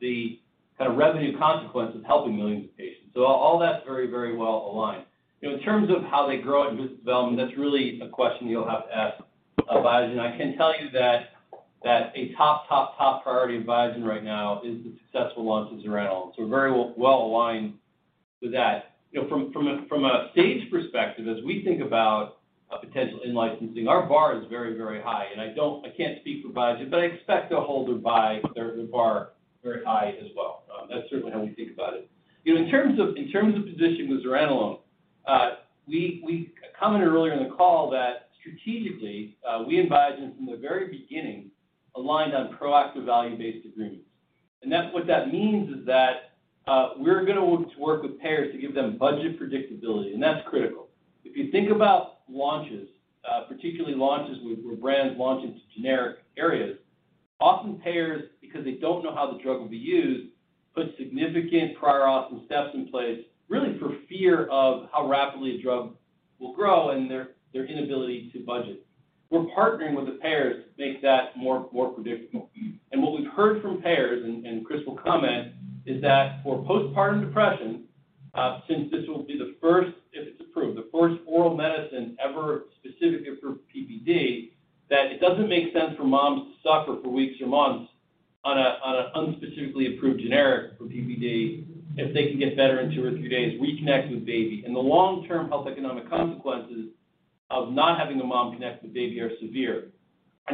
the kind of revenue consequences of helping millions of patients. All that's very well aligned. You know, in terms of how they grow and business development, that's really a question you'll have to ask Biogen. I can tell you that a top priority of Biogen right now is the successful launch of zuranolone. We're very well aligned with that. You know, from a Sage perspective, as we think about a potential in-licensing, our bar is very, very high. I can't speak for Biogen, but I expect they'll hold it by their bar very high as well. That's certainly how we think about it. You know, in terms of position with zuranolone, we commented earlier in the call that strategically, we and Biogen from the very beginning aligned on proactive value-based agreements. What that means is that we're gonna work with payers to give them budget predictability, and that's critical. If you think about launches, particularly launches with where brands launch into generic areas, often payers, because they don't know how the drug will be used, put significant prior awesome steps in place, really for fear of how rapidly a drug will grow and their inability to budget. We're partnering with the payers to make that more predictable. What we've heard from payers, and Chris will comment, is that for postpartum depression, since this will be the first, if it's approved, the first oral medicine ever specifically for PPD, that it doesn't make sense for moms to suffer for weeks or months on an unspecifically approved generic for PPD if they can get better in two or three days, reconnect with baby. The long-term health economic consequences of not having a mom connect with baby are severe.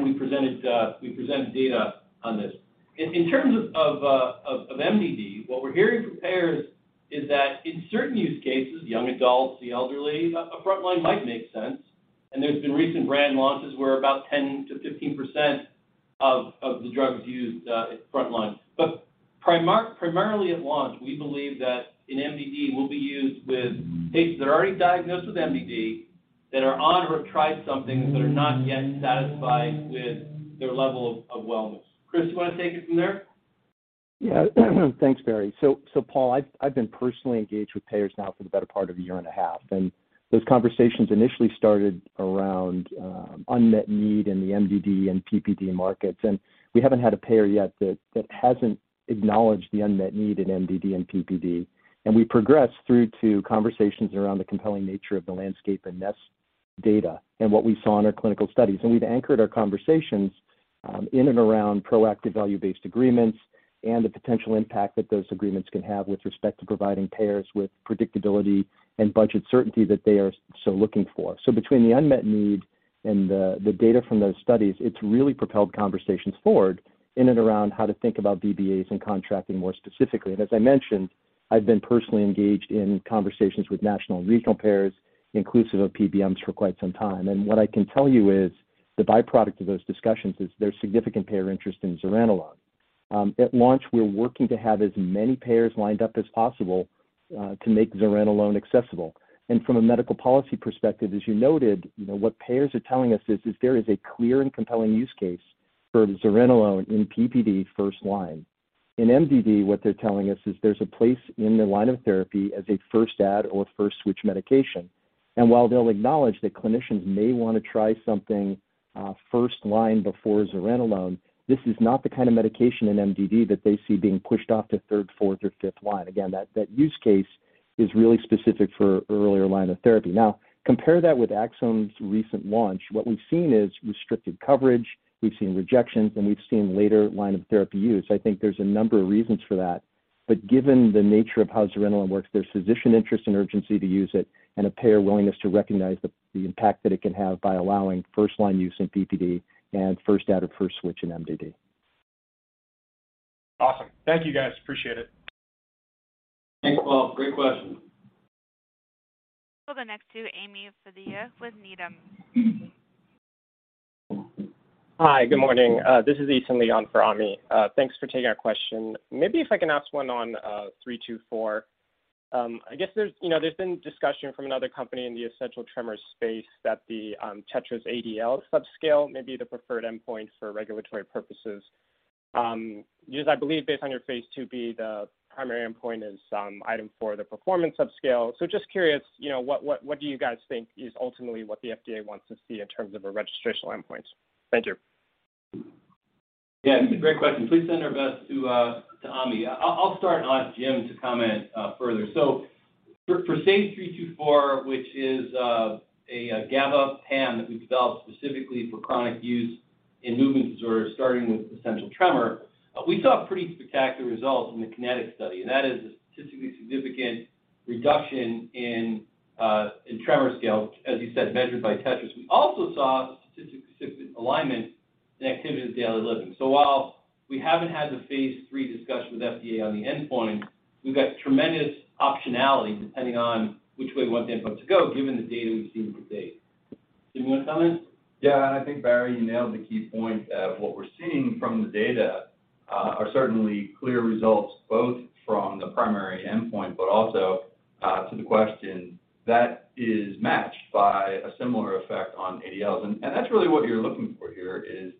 We presented data on this. In terms of MDD, what we're hearing from payers is that in certain use cases, young adults, the elderly, a frontline might make sense. There's been recent brand launches where about 10%-15% of the drug is used at frontline. Primarily at launch, we believe that in MDD, we'll be used with patients that are already diagnosed with MDD, that are on or have tried something, but are not yet satisfied with their level of wellness. Chris, you wanna take it from there? Thanks, Barry. Paul, I've been personally engaged with payers now for the better part of a year and a half, those conversations initially started around unmet need in the MDD and PPD markets. We haven't had a payer yet that hasn't acknowledged the unmet need in MDD and PPD. We progressed through to conversations around the compelling nature of the landscape and NEST data and what we saw in our clinical studies. We've anchored our conversations in and around proactive value-based agreements and the potential impact that those agreements can have with respect to providing payers with predictability and budget certainty that they are so looking for. Between the unmet need and the data from those studies, it's really propelled conversations forward in and around how to think about DBAs and contracting more specifically. As I mentioned, I've been personally engaged in conversations with national and regional payers, inclusive of PBMs, for quite some time. What I can tell you is the byproduct of those discussions is there's significant payer interest in zuranolone. At launch, we're working to have as many payers lined up as possible to make zuranolone accessible. From a medical policy perspective, as you noted, you know, what payers are telling us is there is a clear and compelling use case for zuranolone in PPD first line. In MDD, what they're telling us is there's a place in their line of therapy as a first add or first switch medication. While they'll acknowledge that clinicians may wanna try something, first line before zuranolone, this is not the kind of medication in MDD that they see being pushed off to third, fourth, or fifth line. Again, that use case Is really specific for earlier line of therapy. Now compare that with Axsome's recent launch. What we've seen is restricted coverage, we've seen rejections, and we've seen later line of therapy use. I think there's a number of reasons for that, but given the nature of how zuranolone works, there's physician interest and urgency to use it, and a payer willingness to recognize the impact that it can have by allowing first-line use in BPD and first out-of-first-switch in MDD. Awesome. Thank you, guys. Appreciate it. Thanks, Paul. Great question. We'll go next to Ami Fadia with Needham. Hi. Good morning. This is Eason Lee on for Ami. Thanks for taking our question. Maybe if I can ask one on 324. I guess there's, you know, there's been discussion from another company in the essential tremor space that the TETRAS ADL subscale may be the preferred endpoint for regulatory purposes. Just I believe based on your phase II-B, the primary endpoint is item for the performance subscale. Just curious, you know, what do you guys think is ultimately what the FDA wants to see in terms of a registrational endpoint? Thank you. Yeah, it's a great question. Please send our best to Ami. I'll start and ask Jim to comment further. For SAGE-324, which is a GABA PAM that we developed specifically for chronic use in movement disorders, starting with essential tremor, we saw pretty spectacular results in the KINETIC Study, that is a statistically significant reduction in tremor scale, as you said, measured by TETRAS. We also saw statistic significant alignment in Activities of Daily Living. While we haven't had the phase III discussion with FDA on the endpoint, we've got tremendous optionality depending on which way we want the input to go given the data we've seen to date. Do you wanna comment? Yeah. I think, Barry, you nailed the key point of what we're seeing from the data, are certainly clear results both from the primary endpoint, but also, to the question that is matched by a similar effect on ADLs. That's really what you're looking for here, is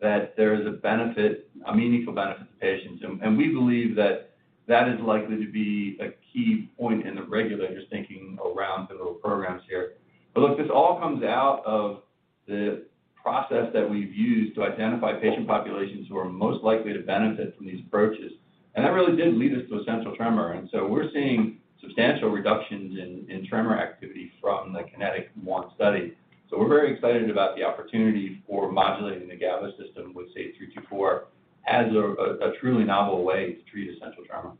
that there is a benefit, a meaningful benefit to patients. We believe that that is likely to be a key point in the regulators thinking around pivotal programs here. Look, this all comes out of the process that we've used to identify patient populations who are most likely to benefit from these approaches. That really did lead us to essential tremor, we're seeing substantial reductions in tremor activity from the KINETIC Study. We're very excited about the opportunity for modulating the GABA system with SAGE-324 as a truly novel way to treat essential tremor. All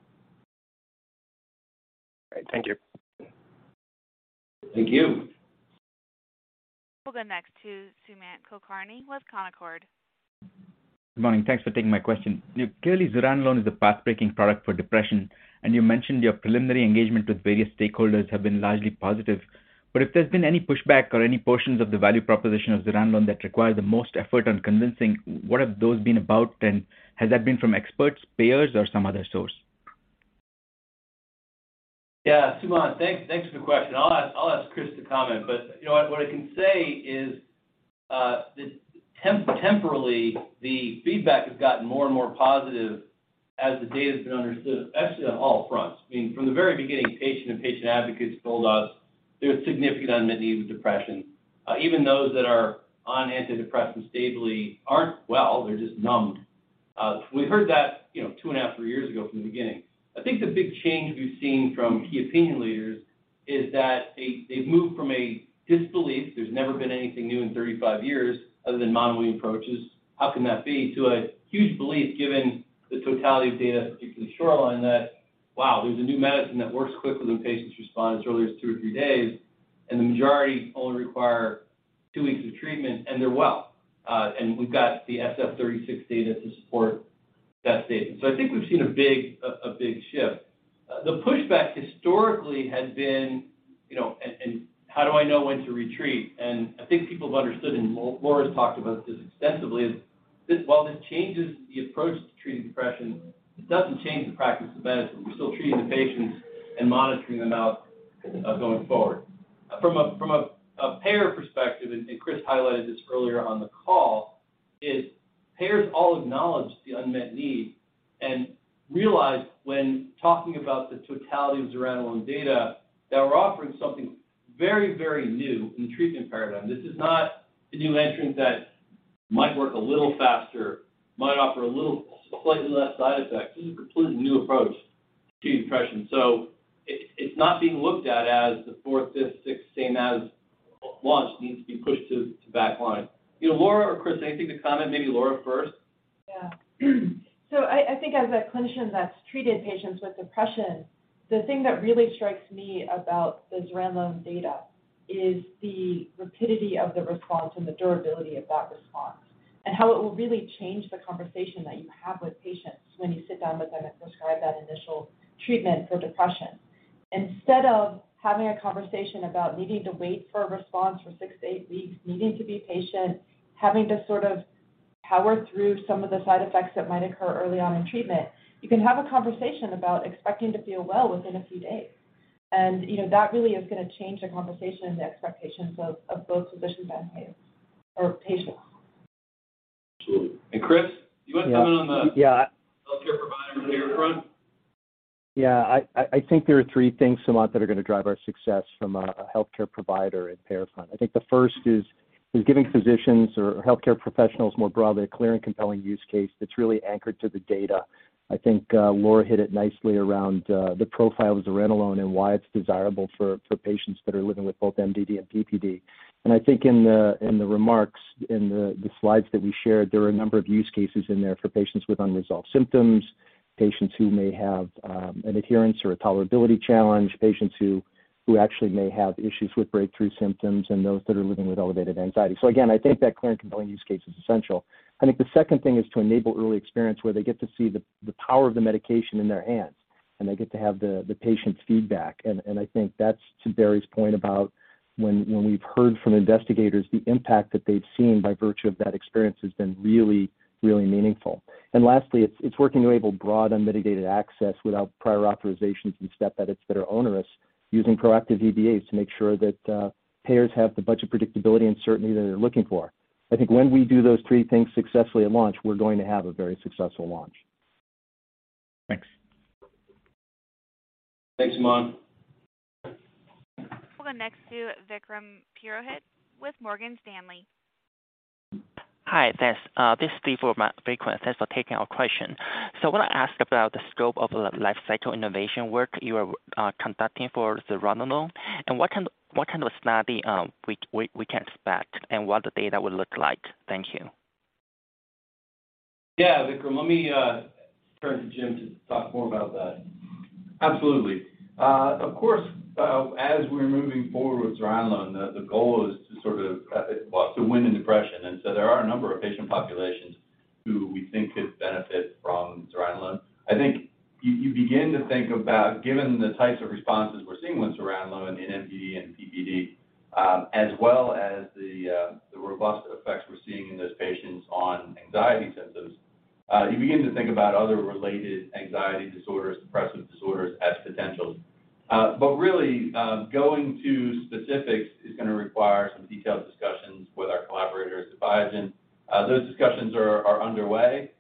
right. Thank you. Thank you. We'll go next to Sumant Kulkarni with Canaccord. Good morning. Thanks for taking my question. Clearly, zuranolone is a path-breaking product for depression. You mentioned your preliminary engagement with various stakeholders have been largely positive. If there's been any pushback or any portions of the value proposition of zuranolone that require the most effort on convincing, what have those been about? Has that been from experts, payers, or some other source? Yeah, Sumant, thanks for the question. I'll ask Chris to comment. You know what I can say is, temporally, the feedback has gotten more and more positive as the data's been understood, actually on all fronts. I mean, from the very beginning, patient and patient advocates told us there's significant unmet need with depression. Even those that are on antidepressants stably aren't well, they're just numbed. We heard that, you know, two and a half, threeyears ago from the beginning. I think the big change we've seen from key opinion leaders is that they've moved from a disbelief. There's never been anything new in 35 years other than monotherapy approaches. How can that be to a huge belief given the totality of data, particularly SHORELINE, that, wow, there's a new medicine that works quickly when patients respond as early as two or three days, and the majority only require two weeks of treatment, and they're well. We've got the SF-36 data to support that statement. I think we've seen a big shift. The pushback historically has been, you know, and how do I know when to retreat? I think people have understood, and Laura's talked about this extensively, is this while this changes the approach to treating depression, it doesn't change the practice of medicine. We're still treating the patients and monitoring them out, going forward. From a payer perspective, and Chris highlighted this earlier on the call, is payers all acknowledge the unmet need and realize when talking about the totality of zuranolone data, that we're offering something very, very new in the treatment paradigm. This is not a new entrant that might work a little faster, might offer a little slightly less side effects. This is a completely new approach to depression. It's not being looked at as the fourth, fifth, sixth same as launch needs to be pushed to back line. You know, Laura or Chris, anything to comment, maybe Laura first? I think as a clinician that's treated patients with depression, the thing that really strikes me about the zuranolone data is the rapidity of the response and the durability of that response and how it will really change the conversation that you have with patients when you sit down with them and prescribe that initial treatment for depression. Instead of having a conversation about needing to wait for a response for six to eight weeks, needing to be patient, having to sort of power through some of the side effects that might occur early on in treatment, you can have a conversation about expecting to feel well within a few days. You know, that really is gonna change the conversation and the expectations of both physicians and patients or patients. Absolutely. Chris, you want to comment on the... Yeah. Healthcare provider and payer front? Yeah. I think there are three things, Suman, that are gonna drive our success from a healthcare provider and payer front. I thinkhe first is giving physicians or healthcare professionals more broadly a clear and compelling use case that's really anchored to the data. I think Laura hit it nicely around the profile of zuranolone and why it's desirable for patients that are living with both MDD and PPD. I think in the remarks, in the slides that we shared, there are a number of use cases in there for patients with unresolved symptoms, patients who may have an adherence or a tolerability challenge, patients who actually may have issues with breakthrough symptoms and those that are living with elevated anxiety. Again, I think that clear and compelling use case is essential. I think the second thing is to enable early experience where they get to see the power of the medication in their hands, and they get to have the patient's feedback. I think that's to Barry's point about when we've heard from investigators, the impact that they've seen by virtue of that experience has been really, really meaningful. Lastly, it's working to enable broad unmitigated access without prior authorizations and step edits that are onerous using proactive EBAs to make sure that payers have the budget predictability and certainty that they're looking for. I think when we do those three things successfully at launch, we're going to have a very successful launch. Thanks. Thanks, Sumant. We'll go next to Vikram Purohit with Morgan Stanley. Hi, thanks. This is Stephen for Vikram. Thanks for taking our question. I wanna ask about the scope of lifecycle innovation work you are conducting for zuranolone and what kind of study we can expect and what the data would look like? Thank you. Yeah, Vikram. Let me turn to Jim to talk more about that. Absolutely. Of course, as we're moving forward with zuranolone, the goal is to sort of have it bust the wind in depression. There are a number of patient populations who we think could benefit from zuranolone. I think you begin to think about, given the types of responses we're seeing with zuranolone in MDD and PPD, as well as the robust effects we're seeing in those patients on anxiety symptoms. You begin to think about other related anxiety disorders, depressive disorders as potentials. Really, going to specifics is gonna require some detailed discussions with our collaborators at Biogen. Those discussions are underway.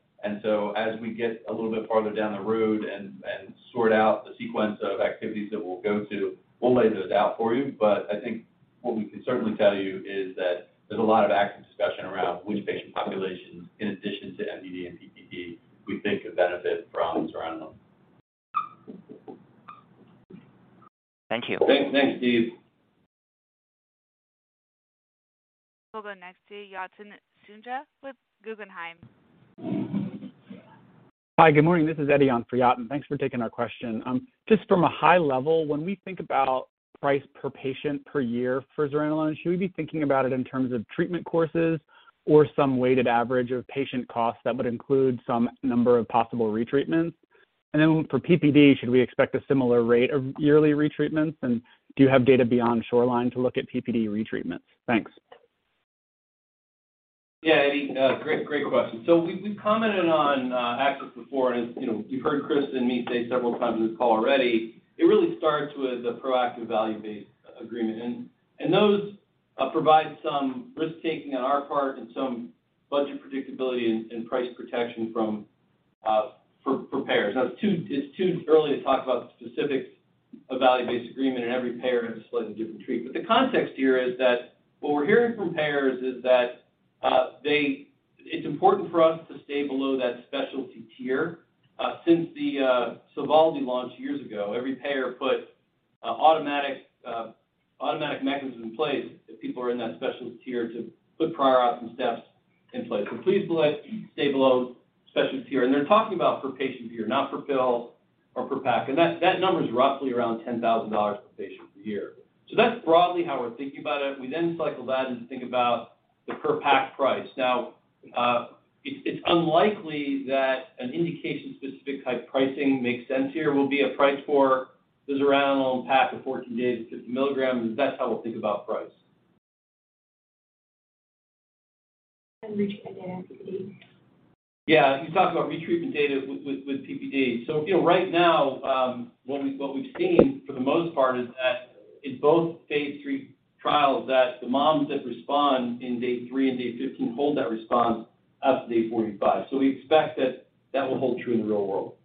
As we get a little bit farther down the road and sort out the sequence of activities that we'll go to, we'll lay those out for you. I think what we can certainly tell you is that there's a lot of active discussion around which patient populations in addition to MDD and PPD we think could benefit from zuranolone. Thank you. Thanks. Thanks, Steve. We'll go next to Yatin Suneja with Guggenheim. Hi, good morning. This is Eddie on for Yatin. Thanks for taking our question. Just from a high level, when we think about price per patient per year for zuranolone, should we be thinking about it in terms of treatment courses or some weighted average of patient costs that would include some number of possible retreatments? Then for PPD, should we expect a similar rate of yearly retreatments? Do you have data beyond SHORELINE to look at PPD retreatments? Thanks. Yeah, Eddie, great question. We've commented on access before, and as you know, you've heard Chris and me say several times on this call already, it really starts with a proactive value-based agreement. Those provide some risk-taking on our part and some budget predictability and price protection from payers. It's too early to talk about the specifics of value-based agreement, and every payer has a slightly different treat. The context here is that what we're hearing from payers is that it's important for us to stay below that specialty tier. Since the Sovaldi launch years ago, every payer put automatic mechanisms in place if people are in that specialist tier to put prior ops and steps in place. Please let stay below specialist tier. They're talking about per patient tier, not per pill or per pack. That number is roughly around $10,000 per patient per year. That's broadly how we're thinking about it. We cycle that and think about the per pack price. Now, it's unlikely that an indication-specific type pricing makes sense here. Will be a price for the zuranolone pack of 14 days at 50 milligrams, and that's how we'll think about price. Retreatment data PPD. Yeah, you talked about retreatment data with PPD. You know, right now, what we've seen for the most part is that in both phase III trials that the moms that respond in day three and day 15 hold that response up to day 45. We expect that that will hold true in the real world.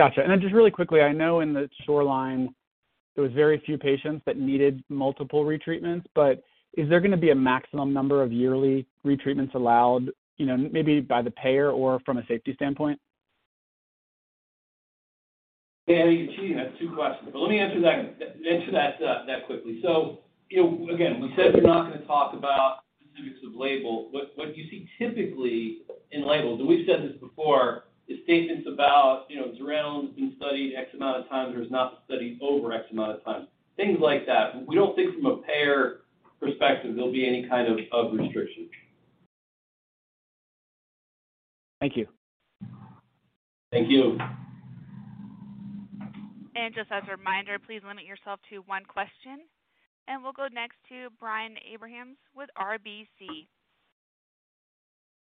Gotcha. Then just really quickly, I know in the SHORELINE there was very few patients that needed multiple retreatments, but is there gonna be a maximum number of yearly retreatments allowed, you know, maybe by the payer or from a safety standpoint? Yeah, you cheated. That's 2 questions. Let me answer that quickly. You know, again, we said we're not gonna talk about specifics of label, but what you see typically in labels, and we've said this before, is statements about, you know, zuranolone's been studied X amount of times or has not been studied over X amount of time, things like that. We don't think from a payer perspective there'll be any kind of restriction. Thank you. Thank you. Just as a reminder, please limit yourself to one question. We'll go next to Brian Abrahams with RBC.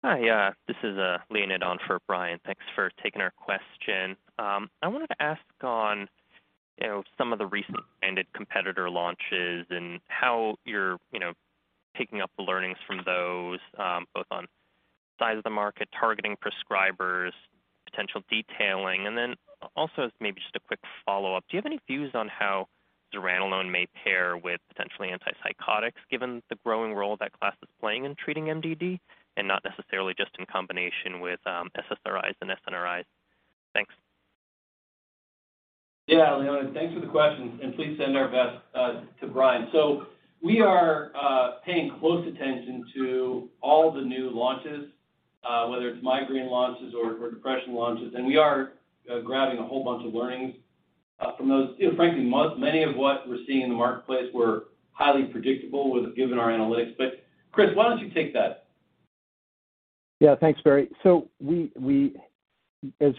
Hi. This is Leonid on for Brian. Thanks for taking our question. I wanted to ask on, you know, some of the recent ended competitor launches and how you're, you know, taking up the learnings from those size of the market, targeting prescribers, potential detailing. Maybe just a quick follow-up. Do you have any views on how zuranolone may pair with potentially antipsychotics, given the growing role that class is playing in treating MDD, and not necessarily just in combination with SSRIs and SNRIs? Thanks. Yeah, Leonid. Thanks for the question, and please send our best to Brian. We are paying close attention to all the new launches, whether it's migraine launches or depression launches. We are grabbing a whole bunch of learnings from those. You know, frankly, many of what we're seeing in the marketplace were highly predictable given our analytics. Chris, why don't you take that? Yeah. Thanks, Barry. As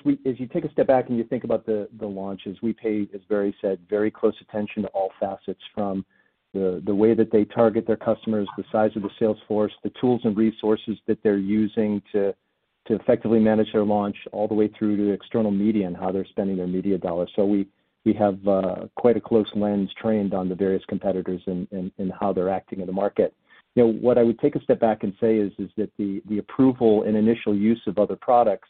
you take a step back and you think about the launches, we pay, as Barry said, very close attention to all facets from the way that they target their customers, the size of the sales force, the tools and resources that they're using to effectively manage their launch all the way through to the external media and how they're spending their media dollars. We have quite a close lens trained on the various competitors and how they're acting in the market. You know, what I would take a step back and say is that the approval and initial use of other products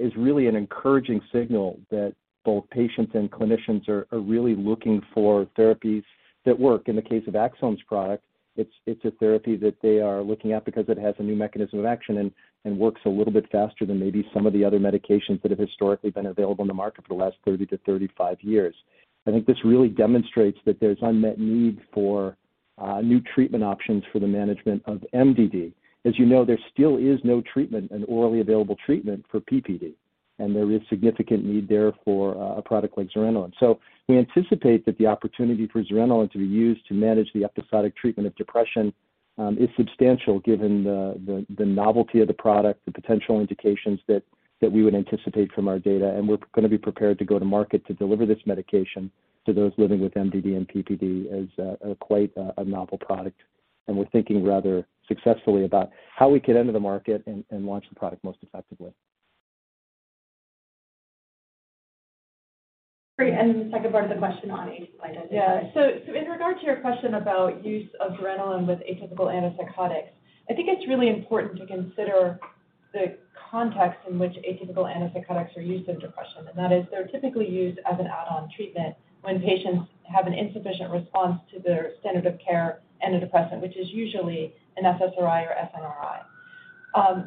is really an encouraging signal that both patients and clinicians are really looking for therapies that work. In the case of Axsome's product, it's a therapy that they are looking at because it has a new mechanism of action and works a little bit faster than maybe some of the other medications that have historically been available on the market for the last 30 to 35 years. I think this really demonstrates that there's unmet need for new treatment options for the management of MDD. As you know, there still is no treatment and orally available treatment for PPD, there is significant need there for a product like zuranolone. We anticipate that the opportunity for zuranolone to be used to manage the episodic treatment of depression is substantial given the novelty of the product, the potential indications that we would anticipate from our data. We're gonna be prepared to go to market to deliver this medication to those living with MDD and PPD as quite a novel product. We're thinking rather successfully about how we could enter the market and launch the product most effectively. Great. The second part of the question on atypical antipsychotics. Yeah. In regard to your question about use of zuranolone with atypical antipsychotics, I think it's really important to consider the context in which atypical antipsychotics are used in depression. That is they're typically used as an add-on treatment when patients have an insufficient response to their standard of care antidepressant, which is usually an SSRI or SNRI.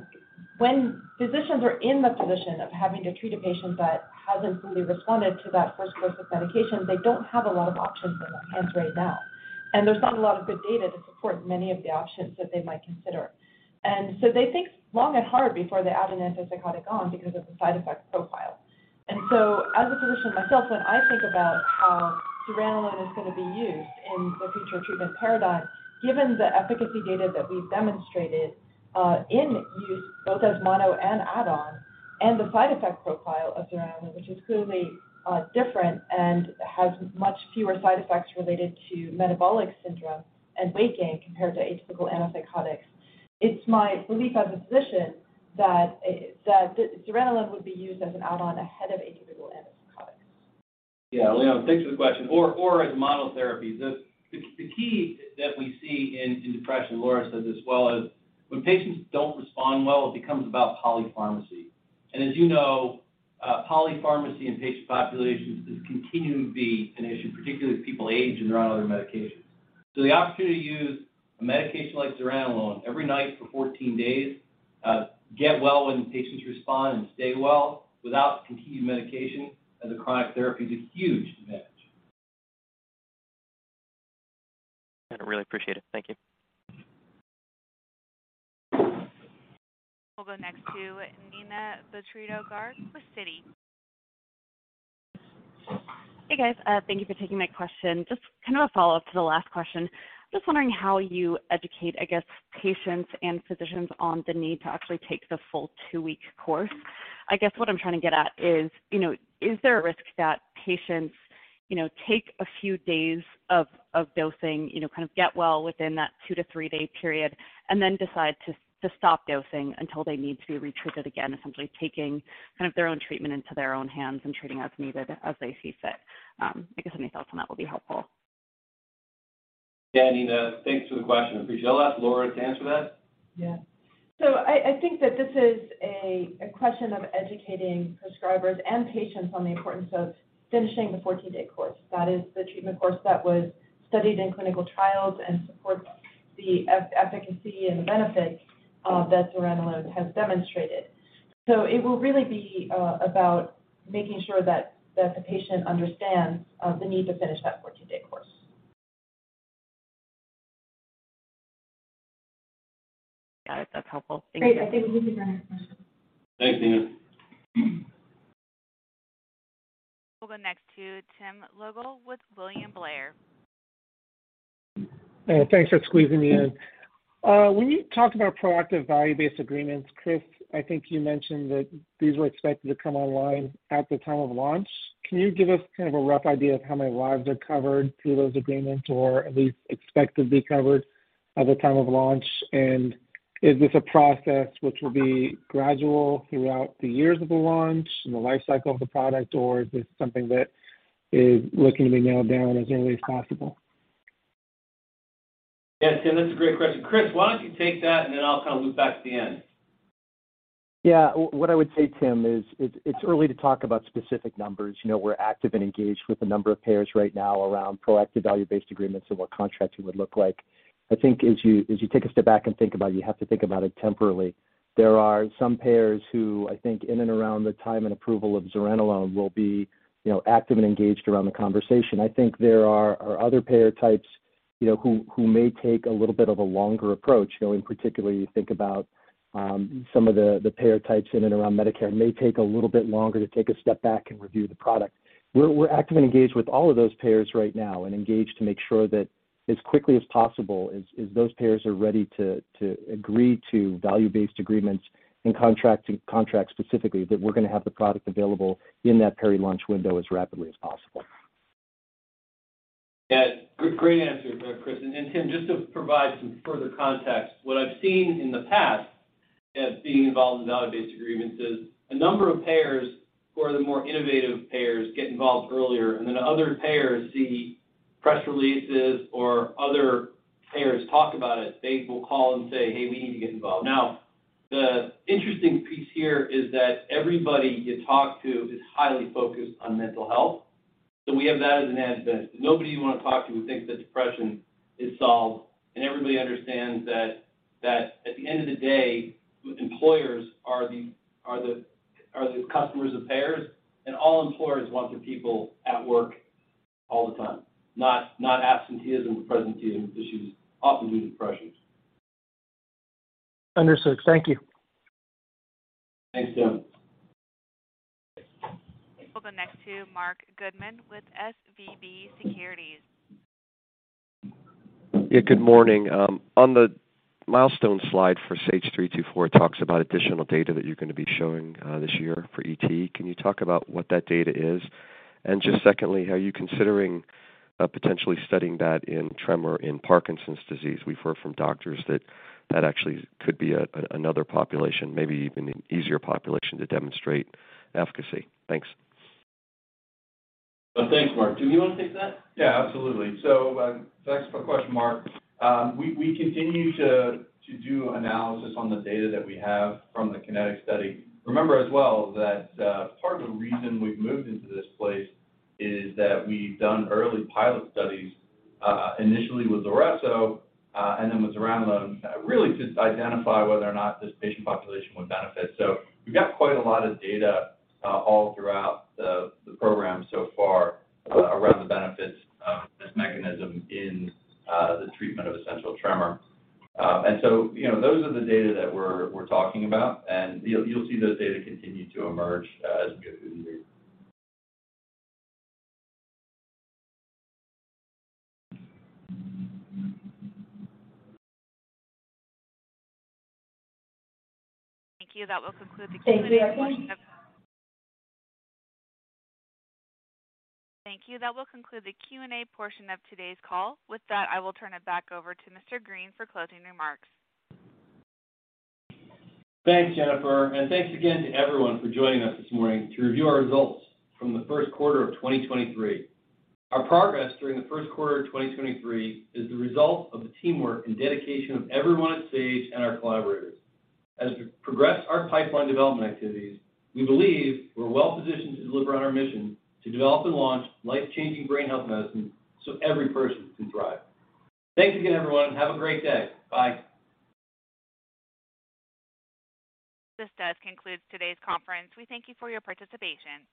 When physicians are in the position of having to treat a patient that hasn't fully responded to that first course of medication, they don't have a lot of options in their hands right now. There's not a lot of good data to support many of the options that they might consider. They think long and hard before they add an antipsychotic on because of the side effect profile. As a physician myself, when I think about how zuranolone is going to be used in the future treatment paradigm, given the efficacy data that we've demonstrated, in use both as mono and add-on, and the side effect profile of zuranolone, which is clearly different and has much fewer side effects related to metabolic syndrome and weight gain compared to atypical antipsychotics, it's my belief as a physician that zuranolone would be used as an add-on ahead of atypical antipsychotics. Yeah. Leon, thanks for the question. As monotherapy. The key that we see in depression, Laura says this as well, is when patients don't respond well, it becomes about polypharmacy. As you know, polypharmacy in patient populations is continuing to be an issue, particularly as people age and they're on other medications. The opportunity to use a medication like zuranolone every night for 14 days, get well when patients respond and stay well without continued medication as a chronic therapy is a huge advantage. I really appreciate it. Thank you. We'll go next to Neena Bitritto-Garg with Citi. Hey, guys. Thank you for taking my question. Just kind of a follow-up to the last question. Just wondering how you educate, I guess, patients and physicians on the need to actually take the full two-week course. I guess what I'm trying to get at is, you know, is there a risk that patients, you know, take a few days of dosing, you know, kind of get well within that two to three-day period, and then decide to stop dosing until they need to be retreated again, essentially taking kind of their own treatment into their own hands and treating as needed as they see fit? I guess any thoughts on that will be helpful. Neena, thanks for the question. Appreciate it. I'll ask Laura to answer that. Yeah. I think that this is a question of educating prescribers and patients on the importance of finishing the 14-day course. That is the treatment course that was studied in clinical trials and supports the efficacy and the benefit that zuranolone has demonstrated. It will really be about making sure that the patient understands the need to finish that 14-day course. Got it. That's helpful. Thank you. Great. I think we can go to the next question. Thanks, Neena. We'll go next to Tim Lugo with William Blair. Thanks for squeezing me in. When you talked about proactive value-based agreements, Chris, I think you mentioned that these were expected to come online at the time of launch. Can you give us kind of a rough idea of how many lives are covered through those agreements or at least expected to be covered at the time of launch? Is this a process which will be gradual throughout the years of the launch and the life cycle of the product, or is this something that is looking to be nailed down as early as possible? Tim, that's a great question. Chris, why don't you take that and then I'll kind of loop back to the end. Yeah. What I would say, Tim Lugo, it's early to talk about specific numbers. You know, we're active and engaged with a number of payers right now around proactive value-based agreements and what contracting would look like. I think as you take a step back and think about it, you have to think about it temporally. There are some payers who I think in and around the time and approval of zuranolone will be, you know, active and engaged around the conversation. I think there are other payer types, you know, who may take a little bit of a longer approach, you know, particularly you think about some of the payer types in and around Medicare may take a little bit longer to take a step back and review the product. We're active and engaged with all of those payers right now and engaged to make sure that as quickly as possible as those payers are ready to agree to value-based agreements and contract to contracts specifically, that we're gonna have the product available in that peri-launch window as rapidly as possible. Yeah. great answer, Chris. And Tim, just to provide some further context, what I've seen in the past as being involved in value-based agreements is a number of payers who are the more innovative payers get involved earlier, and then other payers see press releases or other payers talk about it. They will call and say, "Hey, we need to get involved." Now, the interesting piece here is that everybody you talk to is highly focused on mental health. We have that as an advent. Nobody you wanna talk to thinks that depression is solved, and everybody understands that at the end of the day, employers are the customers of payers, and all employers want their people at work all the time, not absenteeism, presenteeism issues often due to depressions. Understood. Thank you. Thanks, Tim. We'll go next to Marc Goodman with SVB Securities. Yeah. Good morning. On the milestone slide for SAGE-324, it talks about additional data that you're gonna be showing this year for ET. Can you talk about what that data is? Just secondly, are you considering potentially studying that in tremor in Parkinson's disease? We've heard from doctors that that actually could be another population, maybe even an easier population to demonstrate efficacy. Thanks. Thanks, Marc. Jim, do you wanna take that? Absolutely. Thanks for question, Marc. We continue to do analysis on the data that we have from the KINETIC Study. Remember as well that part of the reason we've moved into this place is that we've done early pilot studies, initially with ZULRESSO, and then with zuranolone, really to identify whether or not this patient population would benefit. We've got quite a lot of data all throughout the program so far around the benefits of this mechanism in the treatment of essential tremor. You know, those are the data that we're talking about, and you'll see those data continue to emerge as we go through the year. Thank you. Thank you everyone. Thank you. That will conclude the Q&A portion of today's call. With that, I will turn it back over to Mr. Greene for closing remarks. Thanks, Jennifer. Thanks again to everyone for joining us this morning to review our results from the first quarter of 2023. Our progress during the first quarter of 2023 is the result of the teamwork and dedication of everyone at Sage and our collaborators. As we progress our pipeline development activities, we believe we're well positioned to deliver on our mission to develop and launch life-changing brain health medicines so every person can thrive. Thanks again, everyone, and have a great day. Bye. This does conclude today's conference. We thank you for your participation.